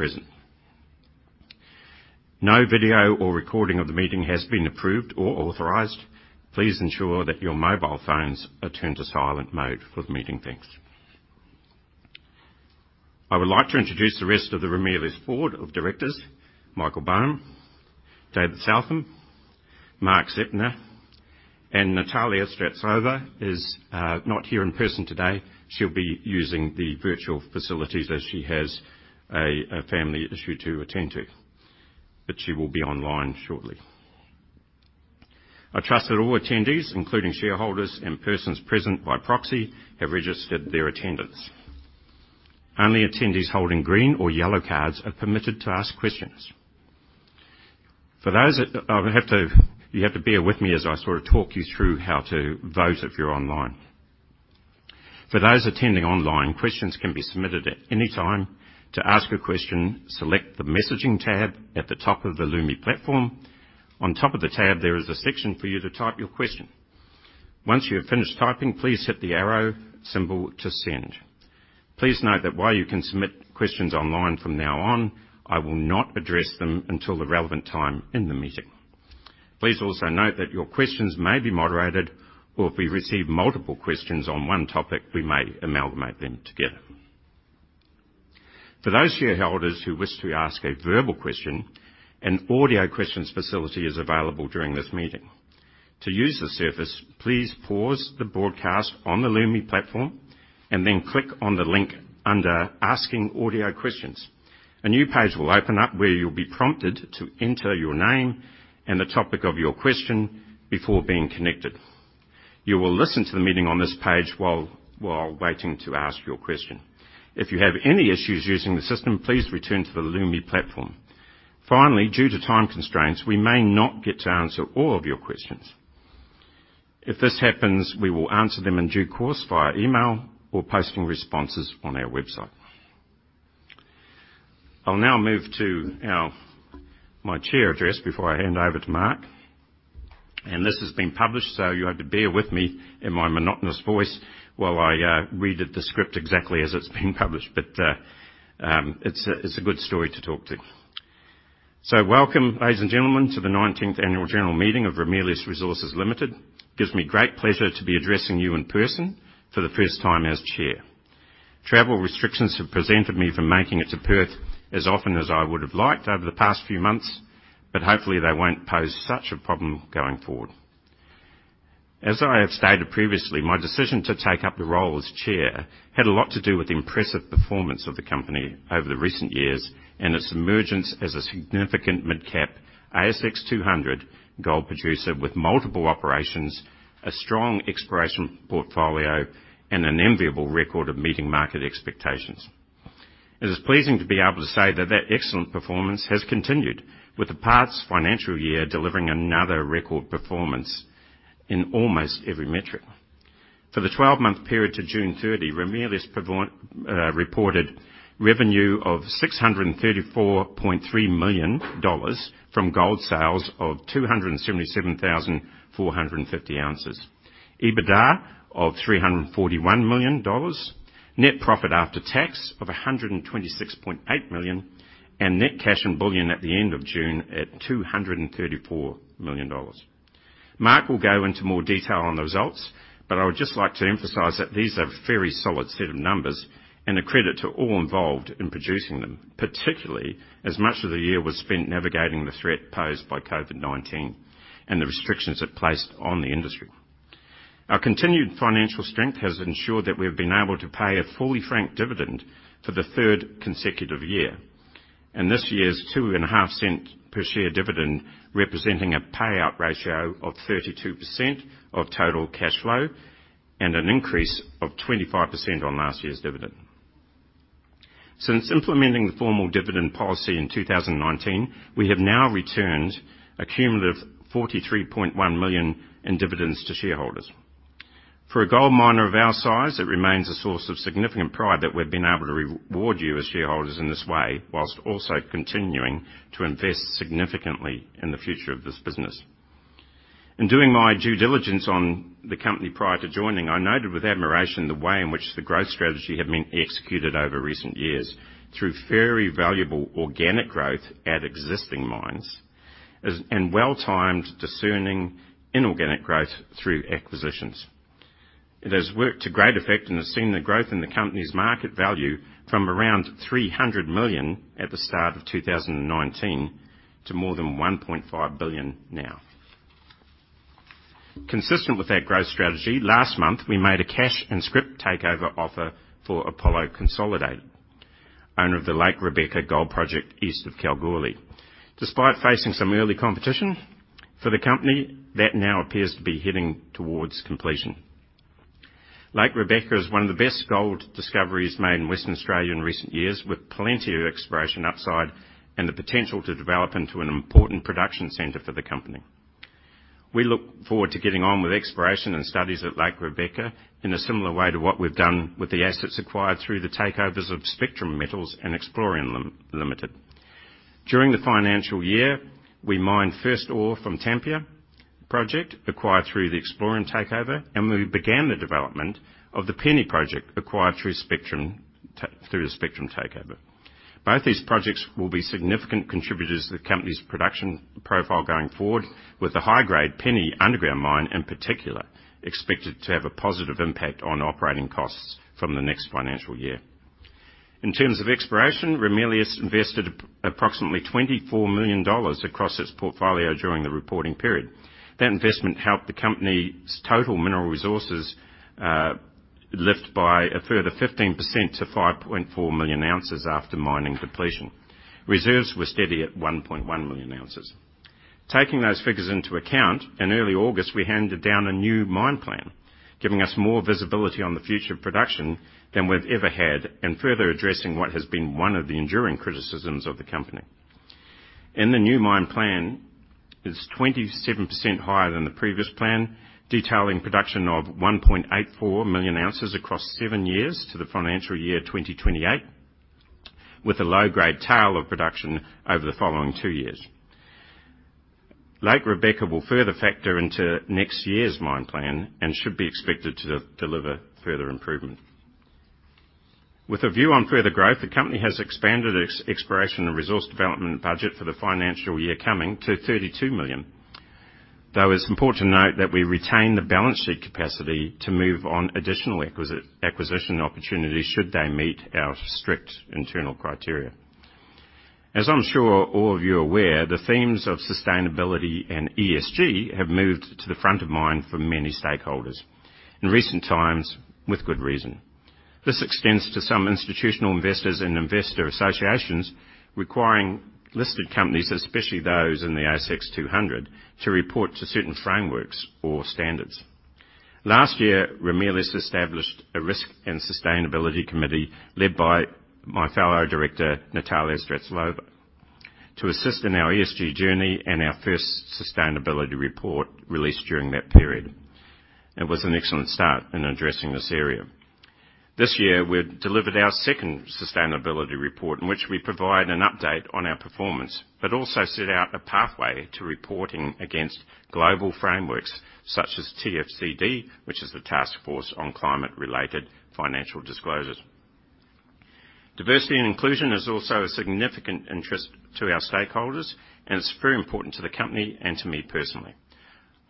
Present. No video or recording of the meeting has been approved or authorized. Please ensure that your mobile phones are turned to silent mode for the meeting. Thanks. I would like to introduce the rest of the Ramelius board of directors, Michael Bohm, David Southam, Mark Zeptner, and Natalia Streltsova is not here in person today. She'll be using the virtual facilities as she has a family issue to attend to, but she will be online shortly. I trust that all attendees, including shareholders and persons present by proxy, have registered their attendance. Only attendees holding green or yellow cards are permitted to ask questions. You have to bear with me as I sort of talk you through how to vote if you're online. For those attending online, questions can be submitted at any time. To ask a question, select the messaging tab at the top of the Lumi platform. On top of the tab, there is a section for you to type your question. Once you have finished typing, please hit the arrow symbol to send. Please note that while you can submit questions online from now on, I will not address them until the relevant time in the meeting. Please also note that your questions may be moderated, or if we receive multiple questions on one topic, we may amalgamate them together. For those shareholders who wish to ask a verbal question, an audio questions facility is available during this meeting. To use the service, please pause the broadcast on the Lumi platform and then click on the link under Asking Audio Questions. A new page will open up where you'll be prompted to enter your name and the topic of your question before being connected. You will listen to the meeting on this page while waiting to ask your question. If you have any issues using the system, please return to the Lumi platform. Finally, due to time constraints, we may not get to answer all of your questions. If this happens, we will answer them in due course via email or posting responses on our website. I'll now move to my Chair's address before I hand over to Mark. This has been published, so you have to bear with me in my monotonous voice while I read the script exactly as it's being published. It's a good story to talk to. Welcome, ladies and gentlemen, to the nineteenth annual general meeting of Ramelius Resources Limited. It gives me great pleasure to be addressing you in person for the first time as Chair. Travel restrictions have prevented me from making it to Perth as often as I would have liked over the past few months, but hopefully they won't pose such a problem going forward. As I have stated previously, my decision to take up the role as Chair had a lot to do with the impressive performance of the company over the recent years and its emergence as a significant mid-cap ASX 200 gold producer with multiple operations, a strong exploration portfolio, and an enviable record of meeting market expectations. It is pleasing to be able to say that that excellent performance has continued, with the past financial year delivering another record performance in almost every metric. For the twelve-month period to June 30, Ramelius reported revenue of 634.3 million dollars from gold sales of 277,450 ounces, EBITDA of 341 million dollars, net profit after tax of 126.8 million, and net cash and bullion at the end of June at 234 million dollars. Mark will go into more detail on the results, but I would just like to emphasize that these are a very solid set of numbers and a credit to all involved in producing them, particularly as much of the year was spent navigating the threat posed by COVID-19 and the restrictions it placed on the industry. Our continued financial strength has ensured that we've been able to pay a fully franked dividend for the third consecutive year. This year's 2.5-cent per share dividend, representing a pay-out ratio of 32% of total cash flow and an increase of 25% on last year's dividend. Since implementing the formal dividend policy in 2019, we have now returned a cumulative 43.1 million in dividends to shareholders. For a gold miner of our size, it remains a source of significant pride that we've been able to reward you as shareholders in this way while also continuing to invest significantly in the future of this business. In doing my due diligence on the company prior to joining, I noted with admiration the way in which the growth strategy had been executed over recent years through very valuable organic growth at existing mines and well-timed, discerning inorganic growth through acquisitions. It has worked to great effect and has seen the growth in the company's market value from around 300 million at the start of 2019 to more than 1.5 billion now. Consistent with that growth strategy, last month, we made a cash and scrip takeover offer for Apollo Consolidated, owner of the Lake Rebecca Gold Project east of Kalgoorlie. Despite facing some early competition for the company, that now appears to be heading towards completion. Lake Rebecca is one of the best gold discoveries made in Western Australia in recent years, with plenty of exploration upside and the potential to develop into an important production center for the company. We look forward to getting on with exploration and studies at Lake Rebecca in a similar way to what we've done with the assets acquired through the takeovers of Spectrum Metals and Explaurum Limited. During the financial year, we mined first ore from Tampia project, acquired through the Explaurum takeover, and we began the development of the Penny project acquired through the Spectrum takeover. Both these projects will be significant contributors to the company's production profile going forward, with the high-grade Penny underground mine, in particular, expected to have a positive impact on operating costs from the next financial year. In terms of exploration, Ramelius invested approximately 24 million dollars across its portfolio during the reporting period. That investment helped the company's total mineral resources lift by a further 15% to 5.4 million ounces after mining depletion. Reserves were steady at 1.1 million ounces. Taking those figures into account, in early August, we handed down a new mine plan, giving us more visibility on the future production than we've ever had, and further addressing what has been one of the enduring criticisms of the company. The new mine plan is 27% higher than the previous plan, detailing production of 1.84 million ounces across seven years to the financial year 2028, with a low grade tail of production over the following two years. Lake Rebecca will further factor into next year's mine plan and should be expected to deliver further improvement. With a view on further growth, the company has expanded its exploration and resource development budget for the financial year coming to 32 million. Though it's important to note that we retain the balance sheet capacity to move on additional acquisition opportunities should they meet our strict internal criteria. As I'm sure all of you are aware, the themes of sustainability and ESG have moved to the front of mind for many stakeholders. In recent times, with good reason. This extends to some institutional investors and investor associations requiring listed companies, especially those in the ASX 200, to report to certain frameworks or standards. Last year, Ramelius established a risk and sustainability committee led by my fellow director, Natalia Strezhlova, to assist in our ESG journey and our first sustainability report released during that period. It was an excellent start in addressing this area. This year, we've delivered our second sustainability report in which we provide an update on our performance, but also set out a pathway to reporting against global frameworks such as TCFD, which is the Task Force on Climate-related Financial Disclosures. Diversity and inclusion is also a significant interest to our stakeholders, and it's very important to the company and to me personally.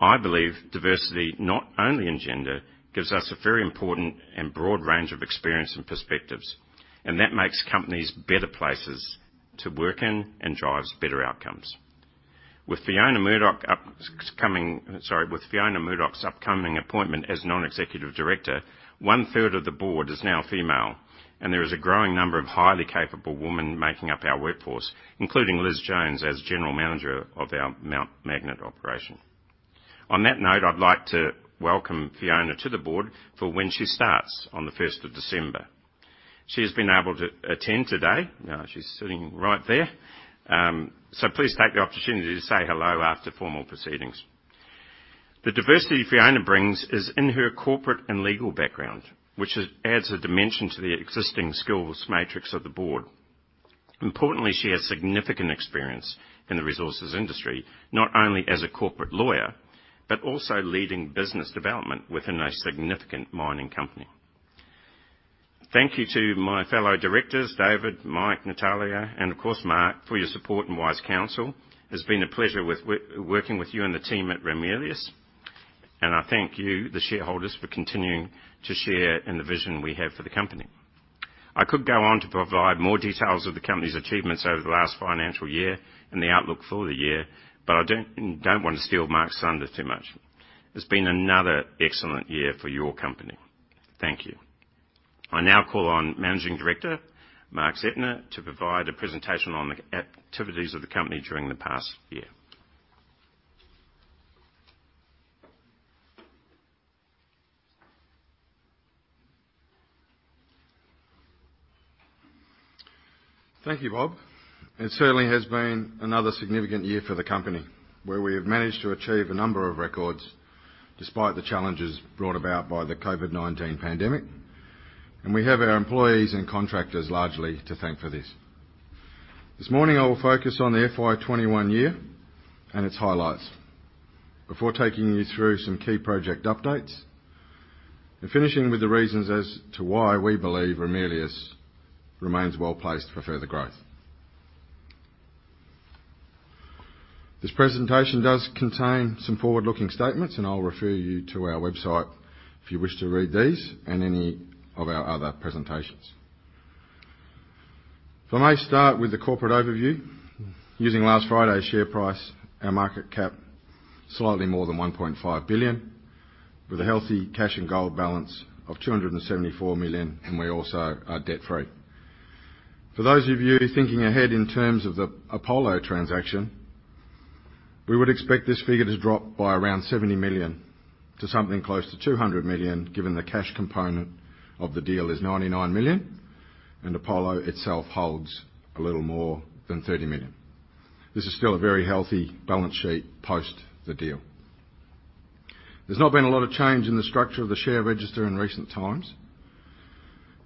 I believe diversity, not only in gender, gives us a very important and broad range of experience and perspectives, and that makes companies better places to work in and drives better outcomes. With Fiona Murdoch's upcoming appointment as non-executive director, one-third of the board is now female, and there is a growing number of highly capable women making up our workforce, including Liz Jones as General Manager of our Mount Magnet operation. On that note, I'd like to welcome Fiona to the board for when she starts on the first of December. She has been able to attend today. Now, she's sitting right there, so please take the opportunity to say hello after formal proceedings. The diversity Fiona brings is in her corporate and legal background, which adds a dimension to the existing skills matrix of the board. Importantly, she has significant experience in the resources industry, not only as a corporate lawyer, but also leading business development within a significant mining company. Thank you to my fellow directors, David, Mike, Natalia, and of course, Mark, for your support and wise counsel. It's been a pleasure with working with you and the team at Ramelius. I thank you, the shareholders, for continuing to share in the vision we have for the company. I could go on to provide more details of the company's achievements over the last financial year and the outlook for the year, but I don't want to steal Mark's thunder too much. It's been another excellent year for your company. Thank you. I now call on Managing Director, Mark Zeptner, to provide a presentation on the activities of the company during the past year. Thank you, Bob. It certainly has been another significant year for the company, where we have managed to achieve a number of records despite the challenges brought about by the COVID-19 pandemic. We have our employees and contractors largely to thank for this. This morning, I will focus on the FY 2021 year and its highlights before taking you through some key project updates and finishing with the reasons as to why we believe Ramelius remains well-placed for further growth. This presentation does contain some forward-looking statements, and I'll refer you to our website if you wish to read these and any of our other presentations. If I may start with the corporate overview. Using last Friday's share price, our market cap, slightly more than 1.5 billion, with a healthy cash and gold balance of 274 million, and we also are debt-free. For those of you thinking ahead in terms of the Apollo transaction, we would expect this figure to drop by around 70 million to something close to 200 million, given the cash component of the deal is 99 million, and Apollo itself holds a little more than 30 million. This is still a very healthy balance sheet post the deal. There's not been a lot of change in the structure of the share register in recent times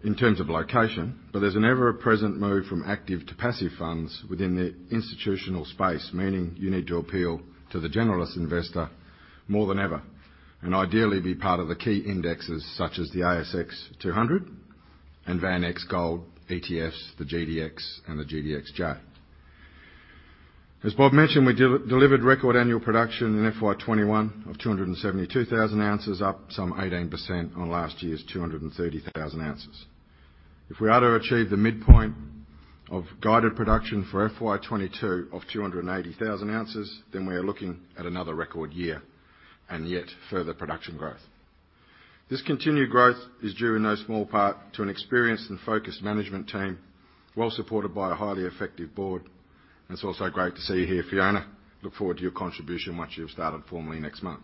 in terms of location, but there's an ever-present move from active to passive funds within the institutional space, meaning you need to appeal to the generalist investor more than ever, and ideally be part of the key indexes such as the ASX 200 and VanEck Gold ETFs, the GDX and the GDXJ. As Bob mentioned, we delivered record annual production in FY 2021 of 272,000 ounces, up some 18% on last year's 230,000 ounces. If we are to achieve the midpoint of guided production for FY 2022 of 280,000 ounces, then we are looking at another record year and yet further production growth. This continued growth is due in no small part to an experienced and focused management team, well supported by a highly effective board. It's also great to see you here, Fiona. I look forward to your contribution once you've started formally next month.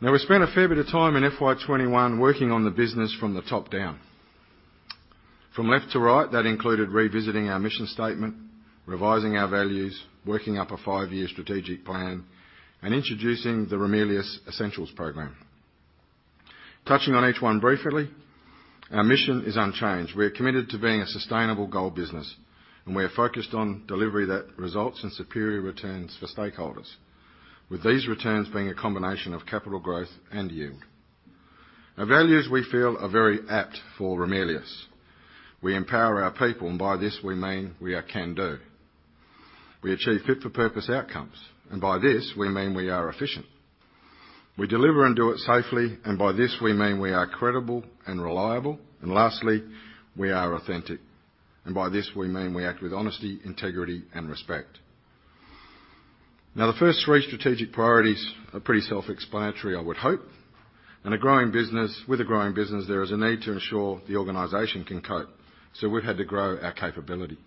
Now, we spent a fair bit of time in FY 2021 working on the business from the top down. From left to right, that included revisiting our mission statement, revising our values, working up a five-year strategic plan, and introducing the Ramelius Essentials program. Touching on each one briefly, our mission is unchanged. We are committed to being a sustainable gold business, and we are focused on delivery that results in superior returns for stakeholders, with these returns being a combination of capital growth and yield. Our values, we feel, are very apt for Ramelius. We empower our people, and by this we mean we are can-do. We achieve fit for purpose outcomes, and by this we mean we are efficient. We deliver and do it safely, and by this we mean we are credible and reliable. Lastly, we are authentic, and by this we mean we act with honesty, integrity, and respect. Now, the first three strategic priorities are pretty self-explanatory, I would hope. In a growing business, with a growing business, there is a need to ensure the organization can cope, so we've had to grow our capability.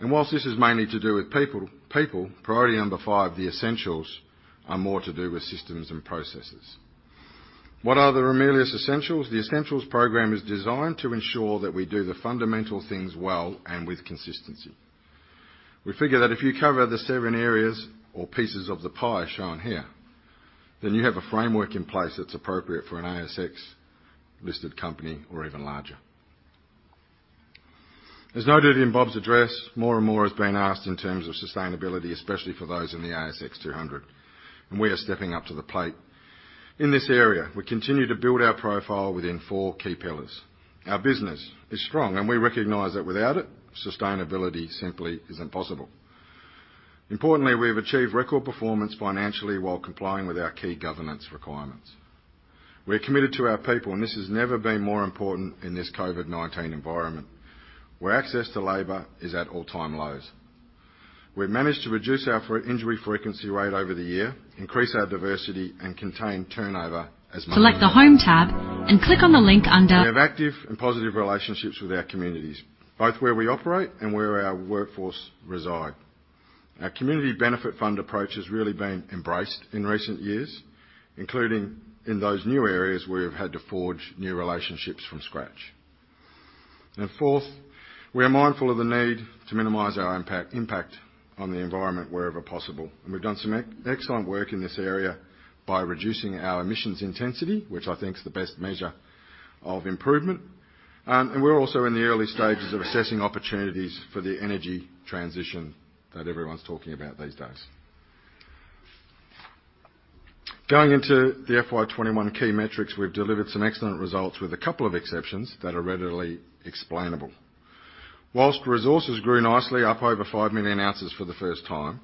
While this is mainly to do with people, priority number five, the essentials, are more to do with systems and processes. What are the Ramelius Essentials? The Essentials program is designed to ensure that we do the fundamental things well and with consistency. We figure that if you cover the seven areas or pieces of the pie shown here, then you have a framework in place that's appropriate for an ASX-listed company or even larger. As noted in Bob's address, more and more is being asked in terms of sustainability, especially for those in the ASX 200, and we are stepping up to the plate. In this area, we continue to build our profile within four key pillars. Our business is strong, and we recognize that without it, sustainability simply isn't possible. Importantly, we have achieved record performance financially while complying with our key governance requirements. We are committed to our people, and this has never been more important in this COVID-19 environment, where access to labor is at all-time lows. We've managed to reduce our lost-time injury frequency rate over the year, increase our diversity, and contain turnover as much as possible. We have active and positive relationships with our communities, both where we operate and where our workforce reside. Our community benefit fund approach has really been embraced in recent years, including in those new areas where we've had to forge new relationships from scratch. Fourth, we are mindful of the need to minimize our impact on the environment wherever possible, and we've done some excellent work in this area by reducing our emissions intensity, which I think is the best measure of improvement. We're also in the early stages of assessing opportunities for the energy transition that everyone's talking about these days. Going into the FY 2021 key metrics, we've delivered some excellent results with a couple of exceptions that are readily explainable. While resources grew nicely up over 5 million ounces for the first time,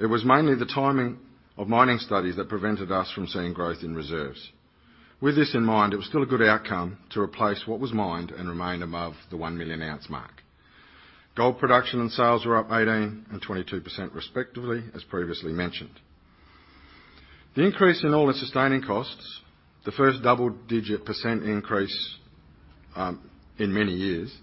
it was mainly the timing of mining studies that prevented us from seeing growth in reserves. With this in mind, it was still a good outcome to replace what was mined and remain above the 1 million ounce mark. Gold production and sales were up 18% and 22% respectively, as previously mentioned. The increase in all-in sustaining costs, the first double-digit % increase in many years,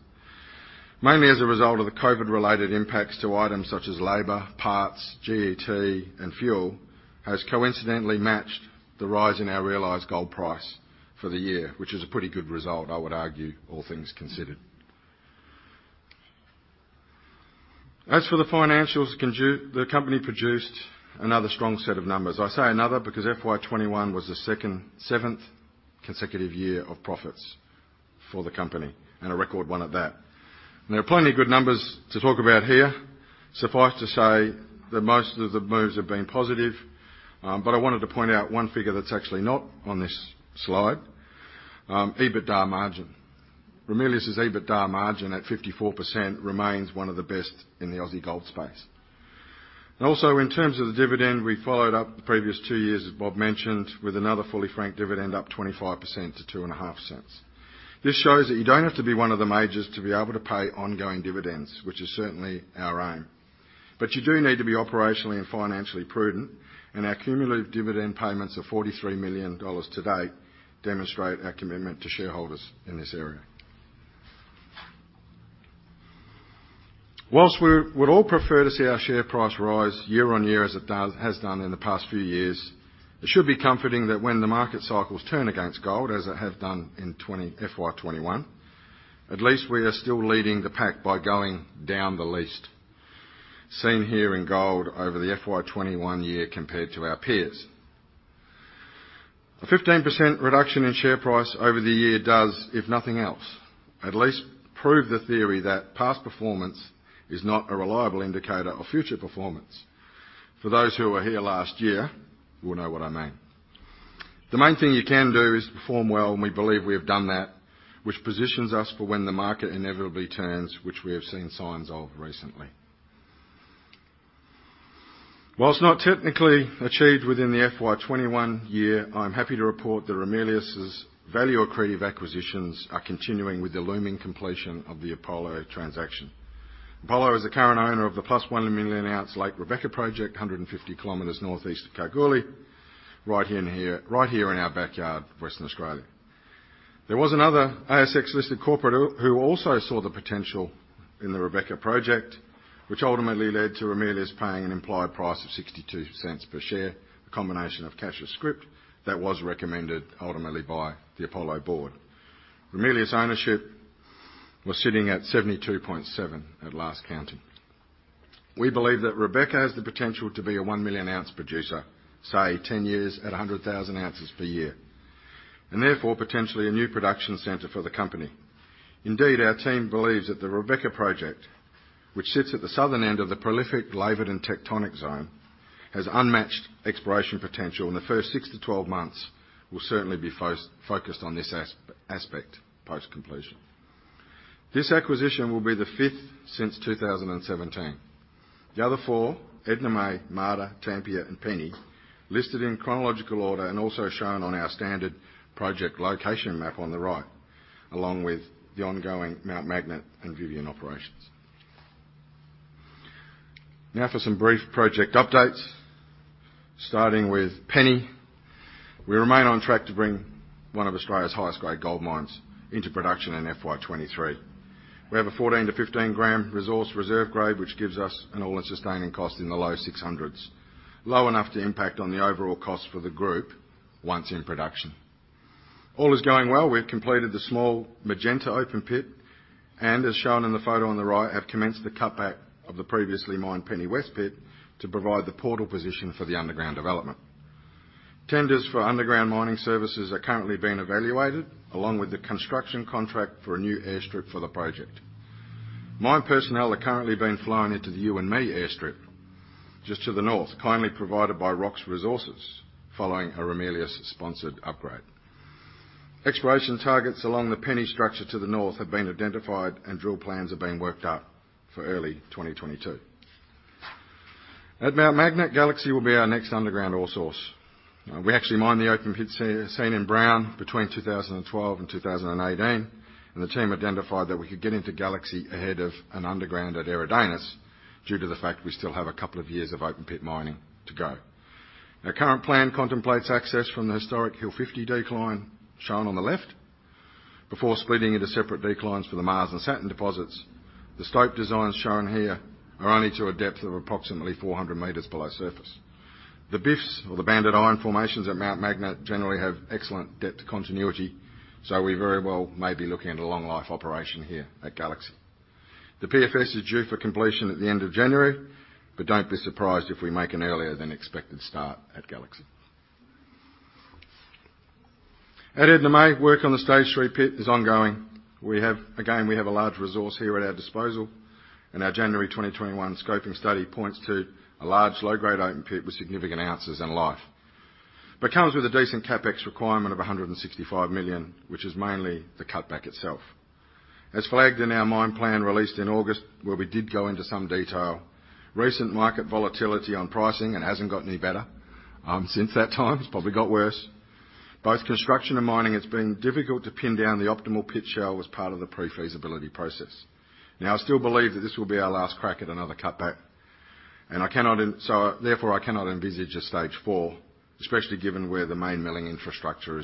mainly as a result of the COVID-related impacts to items such as labor, parts, GET, and fuel, has coincidentally matched the rise in our realized gold price for the year, which is a pretty good result, I would argue, all things considered. As for the financials, the company produced another strong set of numbers. I say another because FY 2021 was the seventh consecutive year of profits for the company, and a record one at that. There are plenty of good numbers to talk about here. Suffice to say that most of the moves have been positive, but I wanted to point out one figure that's actually not on this slide, EBITDA margin. Ramelius's EBITDA margin at 54% remains one of the best in the Aussie gold space. Also in terms of the dividend, we followed up the previous two years, as Bob mentioned, with another fully franked dividend up 25% to 0.025. This shows that you don't have to be one of the majors to be able to pay ongoing dividends, which is certainly our aim. You do need to be operationally and financially prudent, and our cumulative dividend payments of 43 million dollars to date demonstrate our commitment to shareholders in this area. While we would all prefer to see our share price rise year-on-year as it has done in the past few years, it should be comforting that when the market cycles turn against gold, as it has done in FY 2021, at least we are still leading the pack by going down the least, seen here in gold over the FY 2021 year compared to our peers. A 15% reduction in share price over the year does, if nothing else, at least prove the theory that past performance is not a reliable indicator of future performance. For those who were here last year, you will know what I mean. The main thing you can do is perform well, and we believe we have done that, which positions us for when the market inevitably turns, which we have seen signs of recently. While not technically achieved within the FY 2021 year, I'm happy to report that Ramelius's value accretive acquisitions are continuing with the looming completion of the Apollo transaction. Apollo is the current owner of the plus 1 million ounce Lake Rebecca project, 150 kilometers northeast of Kalgoorlie, right here in our backyard, Western Australia. There was another ASX-listed corporate who also saw the potential in the Rebecca project, which ultimately led to Ramelius paying an implied price of 0.62 per share, a combination of cash and scrip, that was recommended ultimately by the Apollo board. Ramelius ownership was sitting at 72.7% at last counting. We believe that Rebecca has the potential to be a 1 million ounce producer, say 10 years at 100,000 ounces per year, and therefore, potentially a new production center for the company. Indeed, our team believes that the Rebecca project, which sits at the southern end of the prolific Laverton Tectonic Zone, has unmatched exploration potential, and the first 6-12 months will certainly be focused on this aspect post-completion. This acquisition will be the fifth since 2017. The other four, Edna May, Marda, Tampia, and Penny, listed in chronological order and also shown on our standard project location map on the right, along with the ongoing Mount Magnet and Vivien operations. Now for some brief project updates. Starting with Penny. We remain on track to bring one of Australia's highest grade gold mines into production in FY 2023. We have a 14-15 gram resource reserve grade, which gives us an all-in sustaining cost in the low AUD 600s. Low enough to impact on the overall cost for the group once in production. All is going well. We've completed the small Magenta open pit, and as shown in the photo on the right, have commenced the cutback of the previously mined Penny West pit to provide the portal position for the underground development. Tenders for underground mining services are currently being evaluated, along with the construction contract for a new airstrip for the project. Mine personnel are currently being flown into the Youanmi Airstrip just to the north, kindly provided by Rox Resources following a Ramelius-sponsored upgrade. Exploration targets along the Penny structure to the north have been identified and drill plans are being worked up for early 2022. At Mount Magnet, Galaxy will be our next underground ore source. We actually mined the open pit seen in brown between 2012 and 2018. The team identified that we could get into Galaxy ahead of an underground at Eridanus due to the fact we still have a couple of years of open pit mining to go. Their current plan contemplates access from the historic Hill 50 Decline, shown on the left, before splitting into separate declines for the Mars and Saturn deposits. The stope designs shown here are only to a depth of approximately 400 meters below surface. The BIFs, or the banded iron formations, at Mount Magnet generally have excellent depth continuity, so we very well may be looking at a long life operation here at Galaxy. The PFS is due for completion at the end of January, but don't be surprised if we make an earlier than expected start at Galaxy. At Edna May, work on the stage 3 pit is ongoing. Again, we have a large resource here at our disposal, and our January 2021 scoping study points to a large low-grade open pit with significant ounces and life, but comes with a decent CapEx requirement of 165 million, which is mainly the cutback itself. As flagged in our mine plan released in August, where we did go into some detail, recent market volatility on pricing, and it hasn't gotten any better since that time. It's probably got worse. Both construction and mining, it's been difficult to pin down the optimal pit shell as part of the pre-feasibility process. Now, I still believe that this will be our last crack at another cutback, and so therefore, I cannot envisage a stage four, especially given where the main milling infrastructure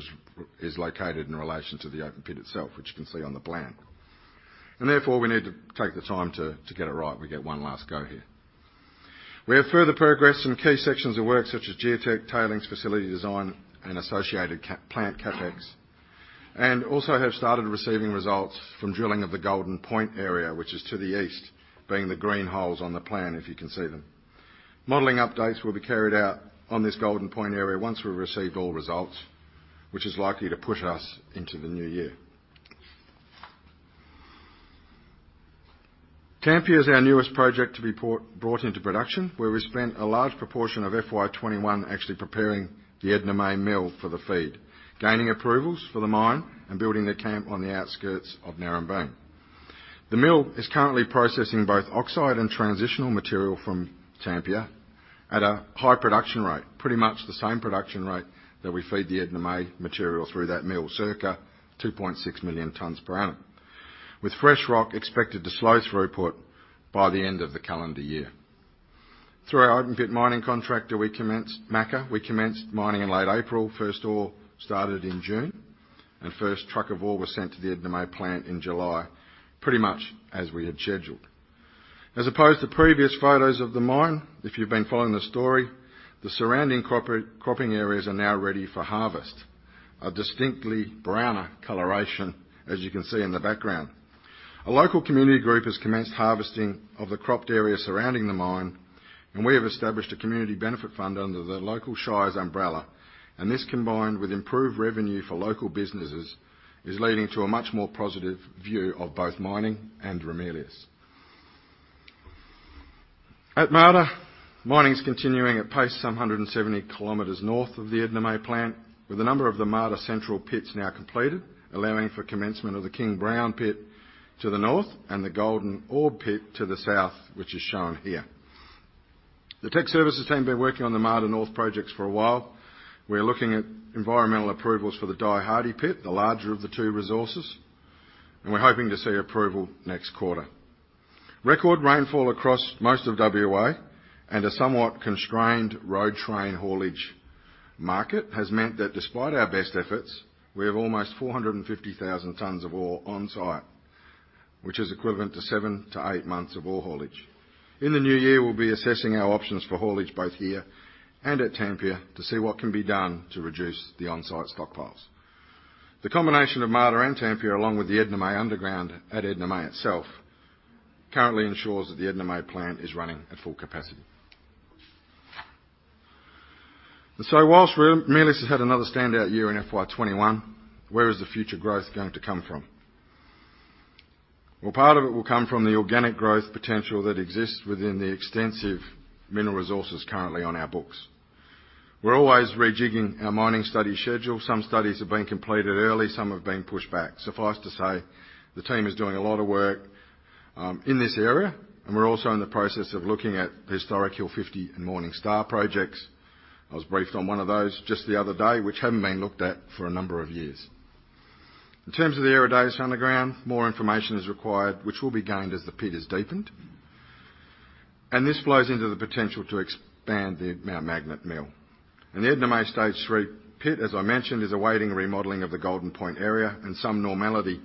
is located in relation to the open pit itself, which you can see on the plan. Therefore, we need to take the time to get it right. We get one last go here. We have further progressed some key sections of work such as geotech, tailings, facility design, and associated capital plant CapEx, and also have started receiving results from drilling of the Golden Point area, which is to the east, being the green holes on the plan if you can see them. Modeling updates will be carried out on this Golden Point area once we've received all results, which is likely to push us into the new year. Tampia is our newest project to be brought into production, where we spent a large proportion of FY 2021 actually preparing the Edna May mill for the feed, gaining approvals for the mine, and building the camp on the outskirts of Narembeen. The mill is currently processing both oxide and transitional material from Tampia at a high production rate. Pretty much the same production rate that we feed the Edna May material through that mill, circa 2.6 million tons per annum, with fresh rock expected to slow throughput by the end of the calendar year. Through our open pit mining contractor, we commenced Maca which commence mining in late April. First ore started in June, and first truck of ore was sent to the Edna May plant in July, pretty much as we had scheduled. As opposed to previous photos of the mine, if you've been following the story, the surrounding crop-cropping areas are now ready for harvest. A distinctly browner coloration, as you can see in the background. A local community group has commenced harvesting of the cropped area surrounding the mine, and we have established a community benefit fund under the local shires umbrella. This, combined with improved revenue for local businesses, is leading to a much more positive view of both mining and Ramelius. At Marda, mining's continuing at pace some 170 kilometers north of the Edna May plant, with a number of the Marda Central pits now completed, allowing for commencement of the King Brown pit to the north and the Golden Orb pit to the south, which is shown here. The tech services team have been working on the Marda North projects for a while. We're looking at environmental approvals for the Die Hardy pit, the larger of the two resources, and we're hoping to see approval next quarter. Record rainfall across most of WA and a somewhat constrained road train haulage market has meant that despite our best efforts, we have almost 450,000 tons of ore on-site, which is equivalent to 7-8 months of ore haulage. In the new year, we'll be assessing our options for haulage both here and at Tampia to see what can be done to reduce the on-site stockpiles. The combination of Marda and Tampia, along with the Edna May underground at Edna May itself, currently ensures that the Edna May plant is running at full capacity. While Ramelius has had another standout year in FY 2021, where is the future growth going to come from? Well, part of it will come from the organic growth potential that exists within the extensive mineral resources currently on our books. We're always rejigging our mining study schedule. Some studies have been completed early, some have been pushed back. Suffice to say, the team is doing a lot of work in this area, and we're also in the process of looking at the Historic Hill 50 and Morning Star projects. I was briefed on one of those just the other day, which haven't been looked at for a number of years. In terms of the Eridanus Underground, more information is required, which will be gained as the pit is deepened. This flows into the potential to expand the Mount Magnet mill. The Edna May Stage 3 pit, as I mentioned, is awaiting remodeling of the Golden Point area and some normality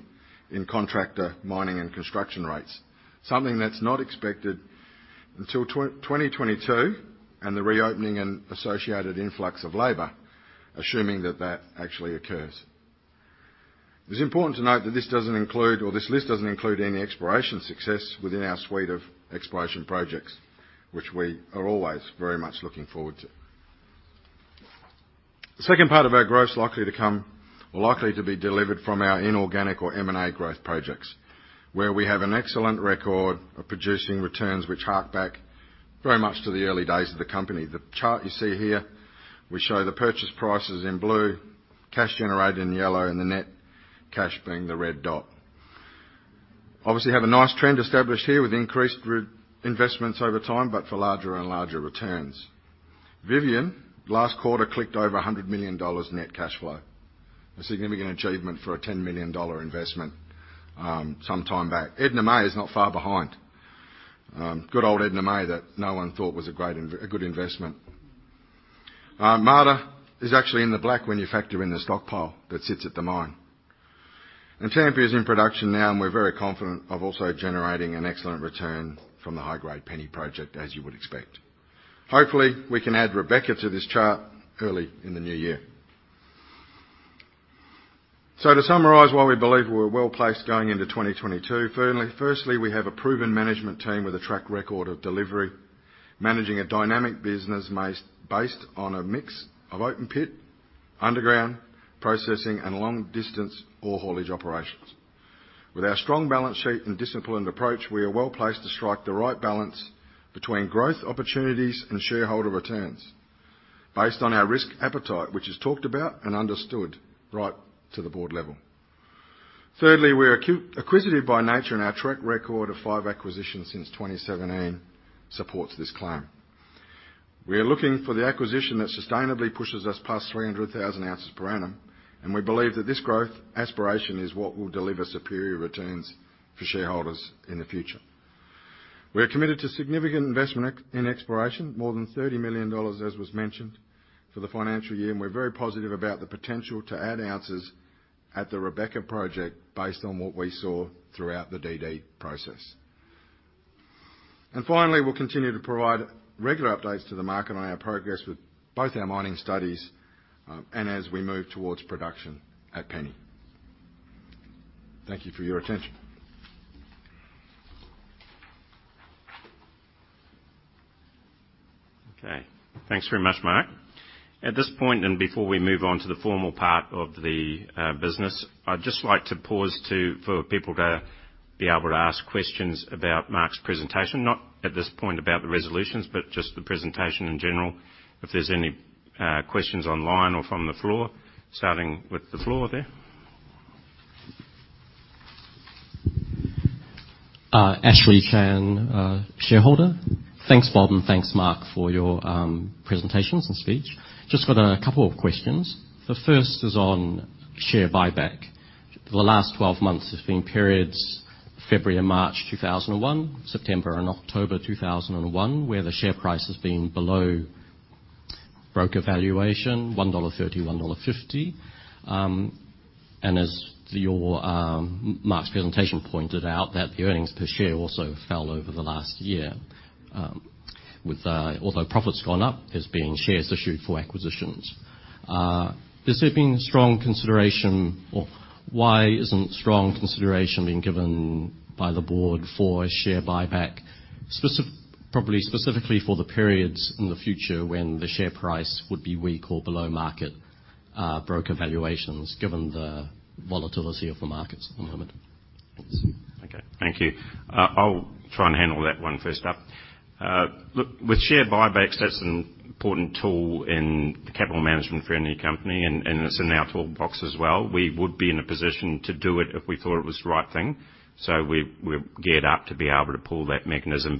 in contractor mining and construction rates. Something that's not expected until 2022 and the reopening and associated influx of labor, assuming that that actually occurs. It's important to note that this doesn't include, or this list doesn't include any exploration success within our suite of exploration projects, which we are always very much looking forward to. The second part of our growth is likely to come or likely to be delivered from our inorganic or M&A growth projects, where we have an excellent record of producing returns which hark back very much to the early days of the company. The chart you see here will show the purchase prices in blue, cash generated in yellow, and the net cash being the red dot. Obviously, have a nice trend established here with increased investments over time, but for larger and larger returns. Vivien last quarter clicked over 100 million dollars net cash flow, a significant achievement for a 10 million dollar investment some time back. Edna May is not far behind. Good old Edna May that no one thought was a good investment. Marda is actually in the black when you factor in the stockpile that sits at the mine. Tampia is in production now, and we're very confident of also generating an excellent return from the high-grade Penny project, as you would expect. Hopefully, we can add Rebecca to this chart early in the new year. To summarize why we believe we're well-placed going into 2022. First, we have a proven management team with a track record of delivery, managing a dynamic business based on a mix of open pit, underground processing, and long-distance ore haulage operations. With our strong balance sheet and disciplined approach, we are well-placed to strike the right balance between growth opportunities and shareholder returns based on our risk appetite, which is talked about and understood right to the board level. Third, we're acquisitive by nature, and our track record of five acquisitions since 2017 supports this claim. We are looking for the acquisition that sustainably pushes us past 300,000 ounces per annum, and we believe that this growth aspiration is what will deliver superior returns for shareholders in the future. We are committed to significant investment in exploration, more than 30 million dollars, as was mentioned, for the financial year, and we're very positive about the potential to add ounces at the Rebecca project based on what we saw throughout the DD process. Finally, we'll continue to provide regular updates to the market on our progress with both our mining studies, and as we move towards production at Penny. Thank you for your attention. Okay. Thanks very much, Mark. At this point, before we move on to the formal part of the business, I'd just like to pause for people to be able to ask questions about Mark's presentation. Not at this point about the resolutions, but just the presentation in general. If there's any questions online or from the floor, starting with the floor there. Ashley Chan, shareholder. Thanks, Bob, and thanks Mark for your presentations and speech. Just got a couple of questions. The first is on share buyback. The last 12 months have been periods February and March 2021, September and October 2021, where the share price has been below broker valuation 1.30 dollar, 1.50 dollar. As Mark's presentation pointed out, that the earnings per share also fell over the last year with although profit's gone up, there's been shares issued for acquisitions. Has there been strong consideration or why isn't strong consideration being given by the board for a share buyback? Probably specifically for the periods in the future when the share price would be weak or below market broker valuations, given the volatility of the markets at the moment. Thanks. Okay. Thank you. I'll try and handle that one first up. Look, with share buybacks, that's an important tool in capital management for any company, and it's in our toolbox as well. We would be in a position to do it if we thought it was the right thing. We're geared up to be able to pull that mechanism.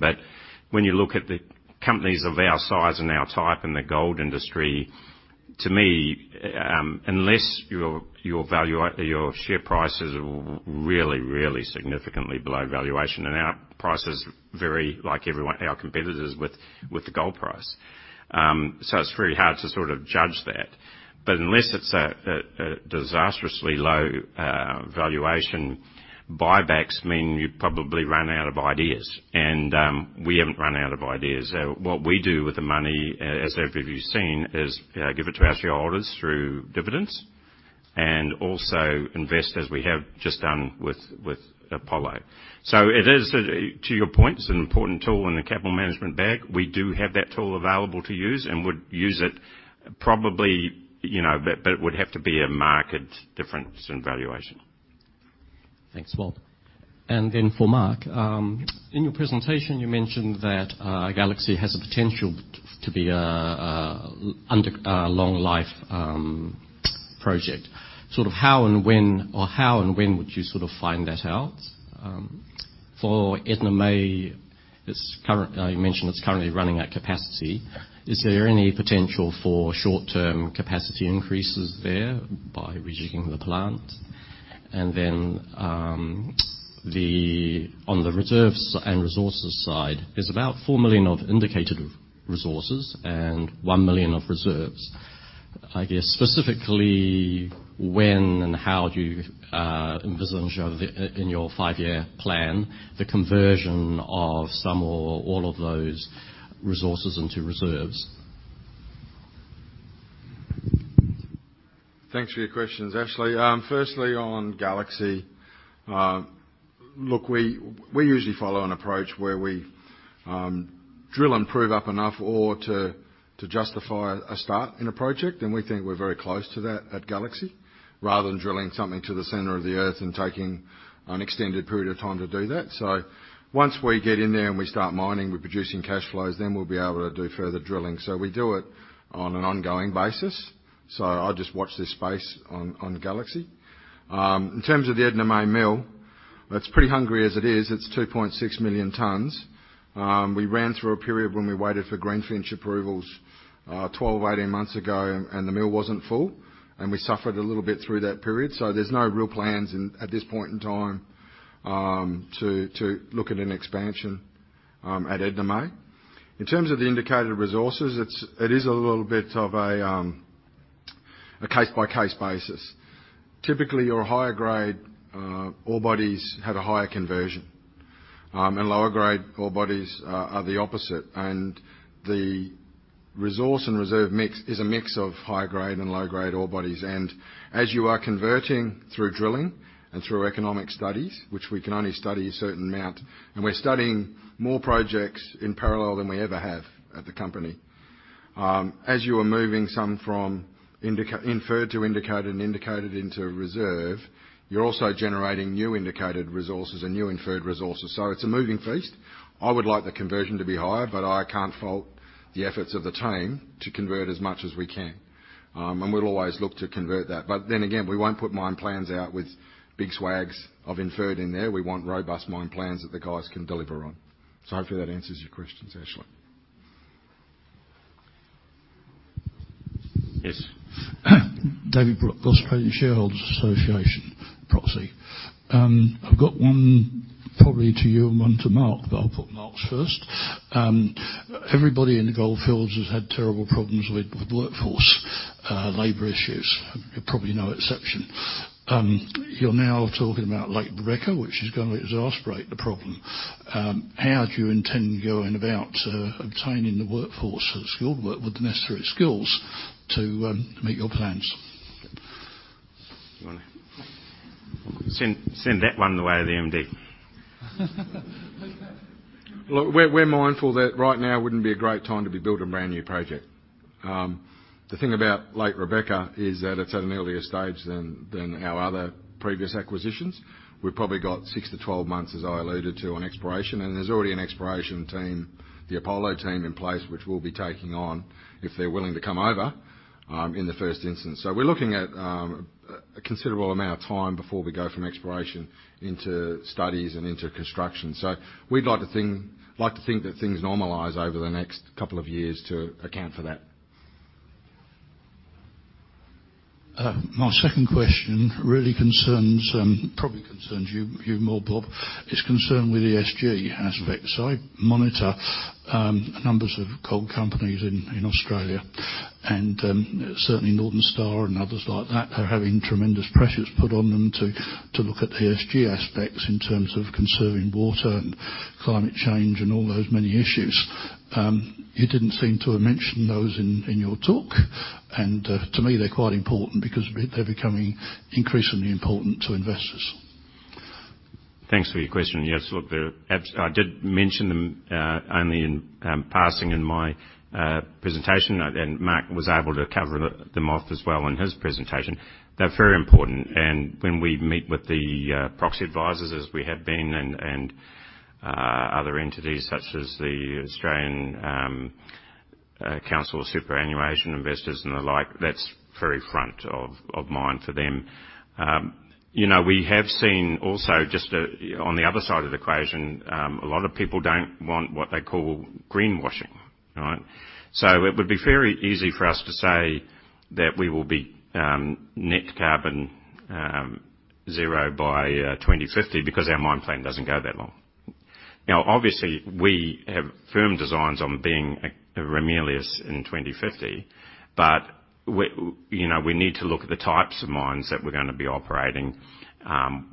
When you look at the companies of our size and our type in the gold industry, to me, unless your share price is really, really significantly below valuation, and our price is very, like everyone, our competitors with the gold price. It's very hard to sort of judge that. Unless it's a disastrously low valuation, buybacks mean you've probably run out of ideas, and we haven't run out of ideas. What we do with the money, as everybody's seen, is give it to our shareholders through dividends and also invest as we have just done with Apollo. It is, to your point, it's an important tool in the capital management bag. We do have that tool available to use and would use it probably, you know, but it would have to be a market difference in valuation. Thanks, Bob. For Mark. In your presentation, you mentioned that Galaxy has the potential to be an underground long life project. Sort of how and when would you sort of find that out? For Edna May, you mentioned it's currently running at capacity. Is there any potential for short-term capacity increases there by rejigging the plant? On the reserves and resources side, there's about 4 million of indicated resources and 1 million of reserves. I guess specifically, when and how do you envision in your five-year plan the conversion of some or all of those resources into reserves? Thanks for your questions, Ashley. Firstly, on Galaxy, look, we usually follow an approach where we drill and prove up enough ore to justify a start in a project, and we think we're very close to that at Galaxy, rather than drilling something to the center of the Earth and taking an extended period of time to do that. Once we get in there and we start mining, we're producing cash flows, then we'll be able to do further drilling. We do it on an ongoing basis. I just watch this space on Galaxy. In terms of the Edna May mill, it's pretty hungry as it is. It's 2.6 million tons. We ran through a period when we waited for greenfield approvals, 12-18 months ago, and the mill wasn't full, and we suffered a little bit through that period. There's no real plans in, at this point in time, to look at an expansion at Edna May. In terms of the indicated resources, it is a little bit of a case-by-case basis. Typically, your higher grade ore bodies have a higher conversion, and lower grade ore bodies are the opposite. The resource and reserve mix is a mix of high grade and low grade ore bodies. As you are converting through drilling and through economic studies, which we can only study a certain amount, and we're studying more projects in parallel than we ever have at the company. As you are moving some from inferred to indicated and indicated into reserve, you're also generating new indicated resources and new inferred resources. It's a moving feast. I would like the conversion to be higher, but I can't fault the efforts of the team to convert as much as we can. We'll always look to convert that. We won't put mine plans out with big swags of inferred in there. We want robust mine plans that the guys can deliver on. Hopefully that answers your questions, Ashley. Yes. I've got one probably to you and one to Mark, but I'll put Mark first. Everybody in the gold fields has had terrible problems with workforce labor issues. You're probably no exception. You're now talking about Lake Rebecca, which is gonna exacerbate the problem. How do you intend going about obtaining the workforce that's skilled, with the necessary skills to meet your plans? You wanna? No. Send that one the way of the MD. Look, we're mindful that right now wouldn't be a great time to be building a brand-new project. The thing about Lake Rebecca is that it's at an earlier stage than our other previous acquisitions. We've probably got 6-12 months, as I alluded to, on exploration, and there's already an exploration team, the Apollo team in place, which we'll be taking on if they're willing to come over, in the first instance. We're looking at a considerable amount of time before we go from exploration into studies and into construction. We'd like to think that things normalize over the next couple of years to account for that. My second question really concerns probably you more, Bob. It's concerned with ESG aspect. I monitor numbers of gold companies in Australia. Certainly Northern Star and others like that are having tremendous pressures put on them to look at ESG aspects in terms of conserving water and climate change and all those many issues. You didn't seem to have mentioned those in your talk, and to me, they're quite important because they're becoming increasingly important to investors. Thanks for your question. Yes, look, I did mention them only in passing in my presentation. Then Mark was able to cover them off as well in his presentation. They're very important. When we meet with the proxy advisors as we have been and other entities such as the Australian Council of Superannuation Investors and the like, that's very front of mind for them. You know, we have seen also just on the other side of the equation, a lot of people don't want what they call greenwashing, right? It would be very easy for us to say that we will be net carbon zero by 2050 because our mine plan doesn't go that long. Now, obviously, we have firm designs on being a Ramelius in 2050, but you know, we need to look at the types of mines that we're gonna be operating,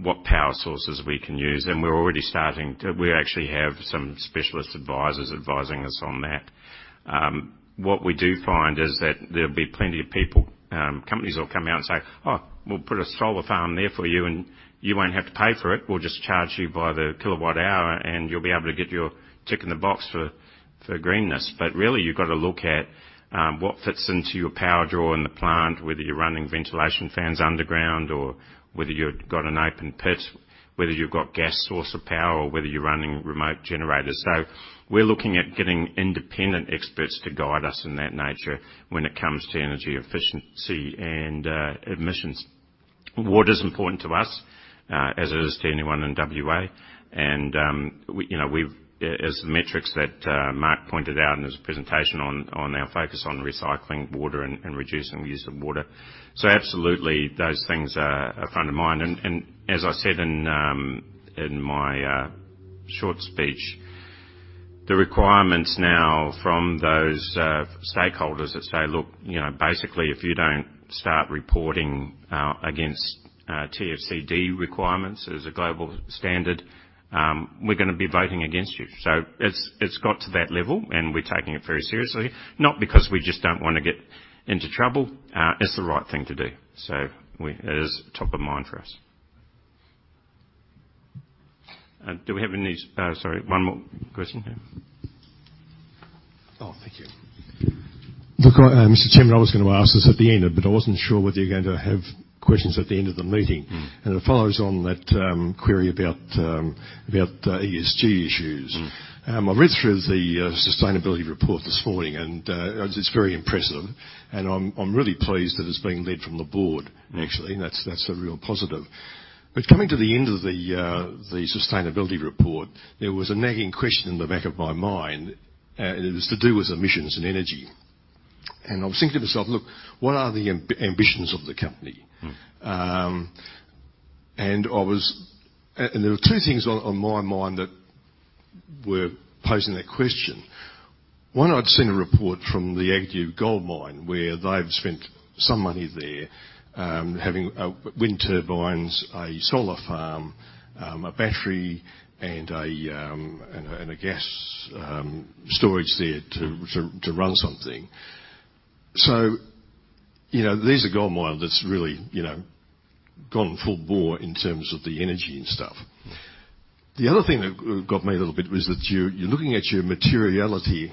what power sources we can use. We actually have some specialist advisors advising us on that. What we do find is that there'll be plenty of people, companies will come out and say, Oh, we'll put a solar farm there for you, and you won't have to pay for it. We'll just charge you by the kilowatt hour, and you'll be able to get your tick in the box for greenness. Really, you've got to look at what fits into your power draw in the plant, whether you're running ventilation fans underground or whether you've got an open pit, whether you've got gas source of power or whether you're running remote generators. We're looking at getting independent experts to guide us in that nature when it comes to energy efficiency and emissions. Water's important to us, as it is to anyone in WA, and we, you know, as the metrics that Mark pointed out in his presentation on our focus on recycling water and reducing use of water. Absolutely, those things are front of mind. As I said in my short speech, the requirements now from those stakeholders that say, Look, you know, basically, if you don't start reporting against TCFD requirements as a global standard, we're gonna be voting against you. It's got to that level, and we're taking it very seriously, not because we just don't wanna get into trouble. It's the right thing to do. It is top of mind for us. Do we have any? Sorry, one more question. Oh, thank you. Look, Mr. Chairman, I was gonna ask this at the end, but I wasn't sure whether you were going to have questions at the end of the meeting. Mm. It follows on that query about ESG issues. Mm. I read through the sustainability report this morning, and it's just very impressive, and I'm really pleased that it's being led from the board actually. Mm. That's a real positive. Coming to the end of the sustainability report, there was a nagging question in the back of my mind, and it was to do with emissions and energy. I was thinking to myself, Look, what are the ambitions of the company? Mm. There were two things on my mind that were posing that question. One, I'd seen a report from the Agnew gold mine where they've spent some money there, having wind turbines, a solar farm, a battery and a gas storage there to run something. You know, there's a gold mine that's really gone full bore in terms of the energy and stuff. The other thing that got me a little bit was that you're looking at your materiality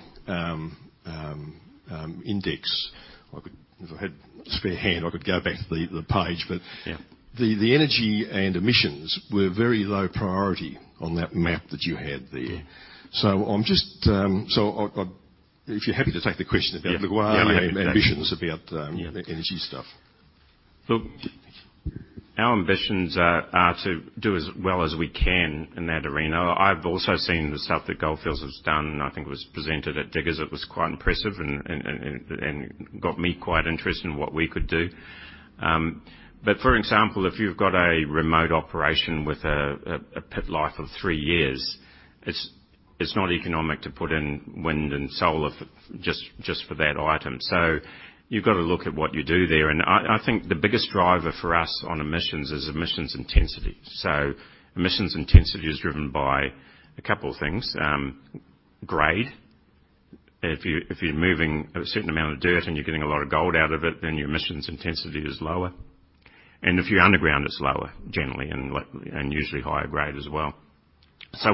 index. I could. If I had a spare hand, I could go back to the page. But Yeah. The energy and emissions were very low priority on that map that you had there. Yeah. If you're happy to take the question about Yeah. What are the ambitions about? Yeah. the energy stuff? Look, our ambitions are to do as well as we can in that arena. I've also seen the stuff that Gold Fields has done, and I think it was presented at Diggers. It was quite impressive and got me quite interested in what we could do. But for example, if you've got a remote operation with a pit life of three years, it's not economic to put in wind and solar for just that item. You've got to look at what you do there. I think the biggest driver for us on emissions is emissions intensity. Emissions intensity is driven by a couple of things. Grade. If you're moving a certain amount of dirt and you're getting a lot of gold out of it, then your emissions intensity is lower. If you're underground, it's lower generally and, like, usually higher grade as well.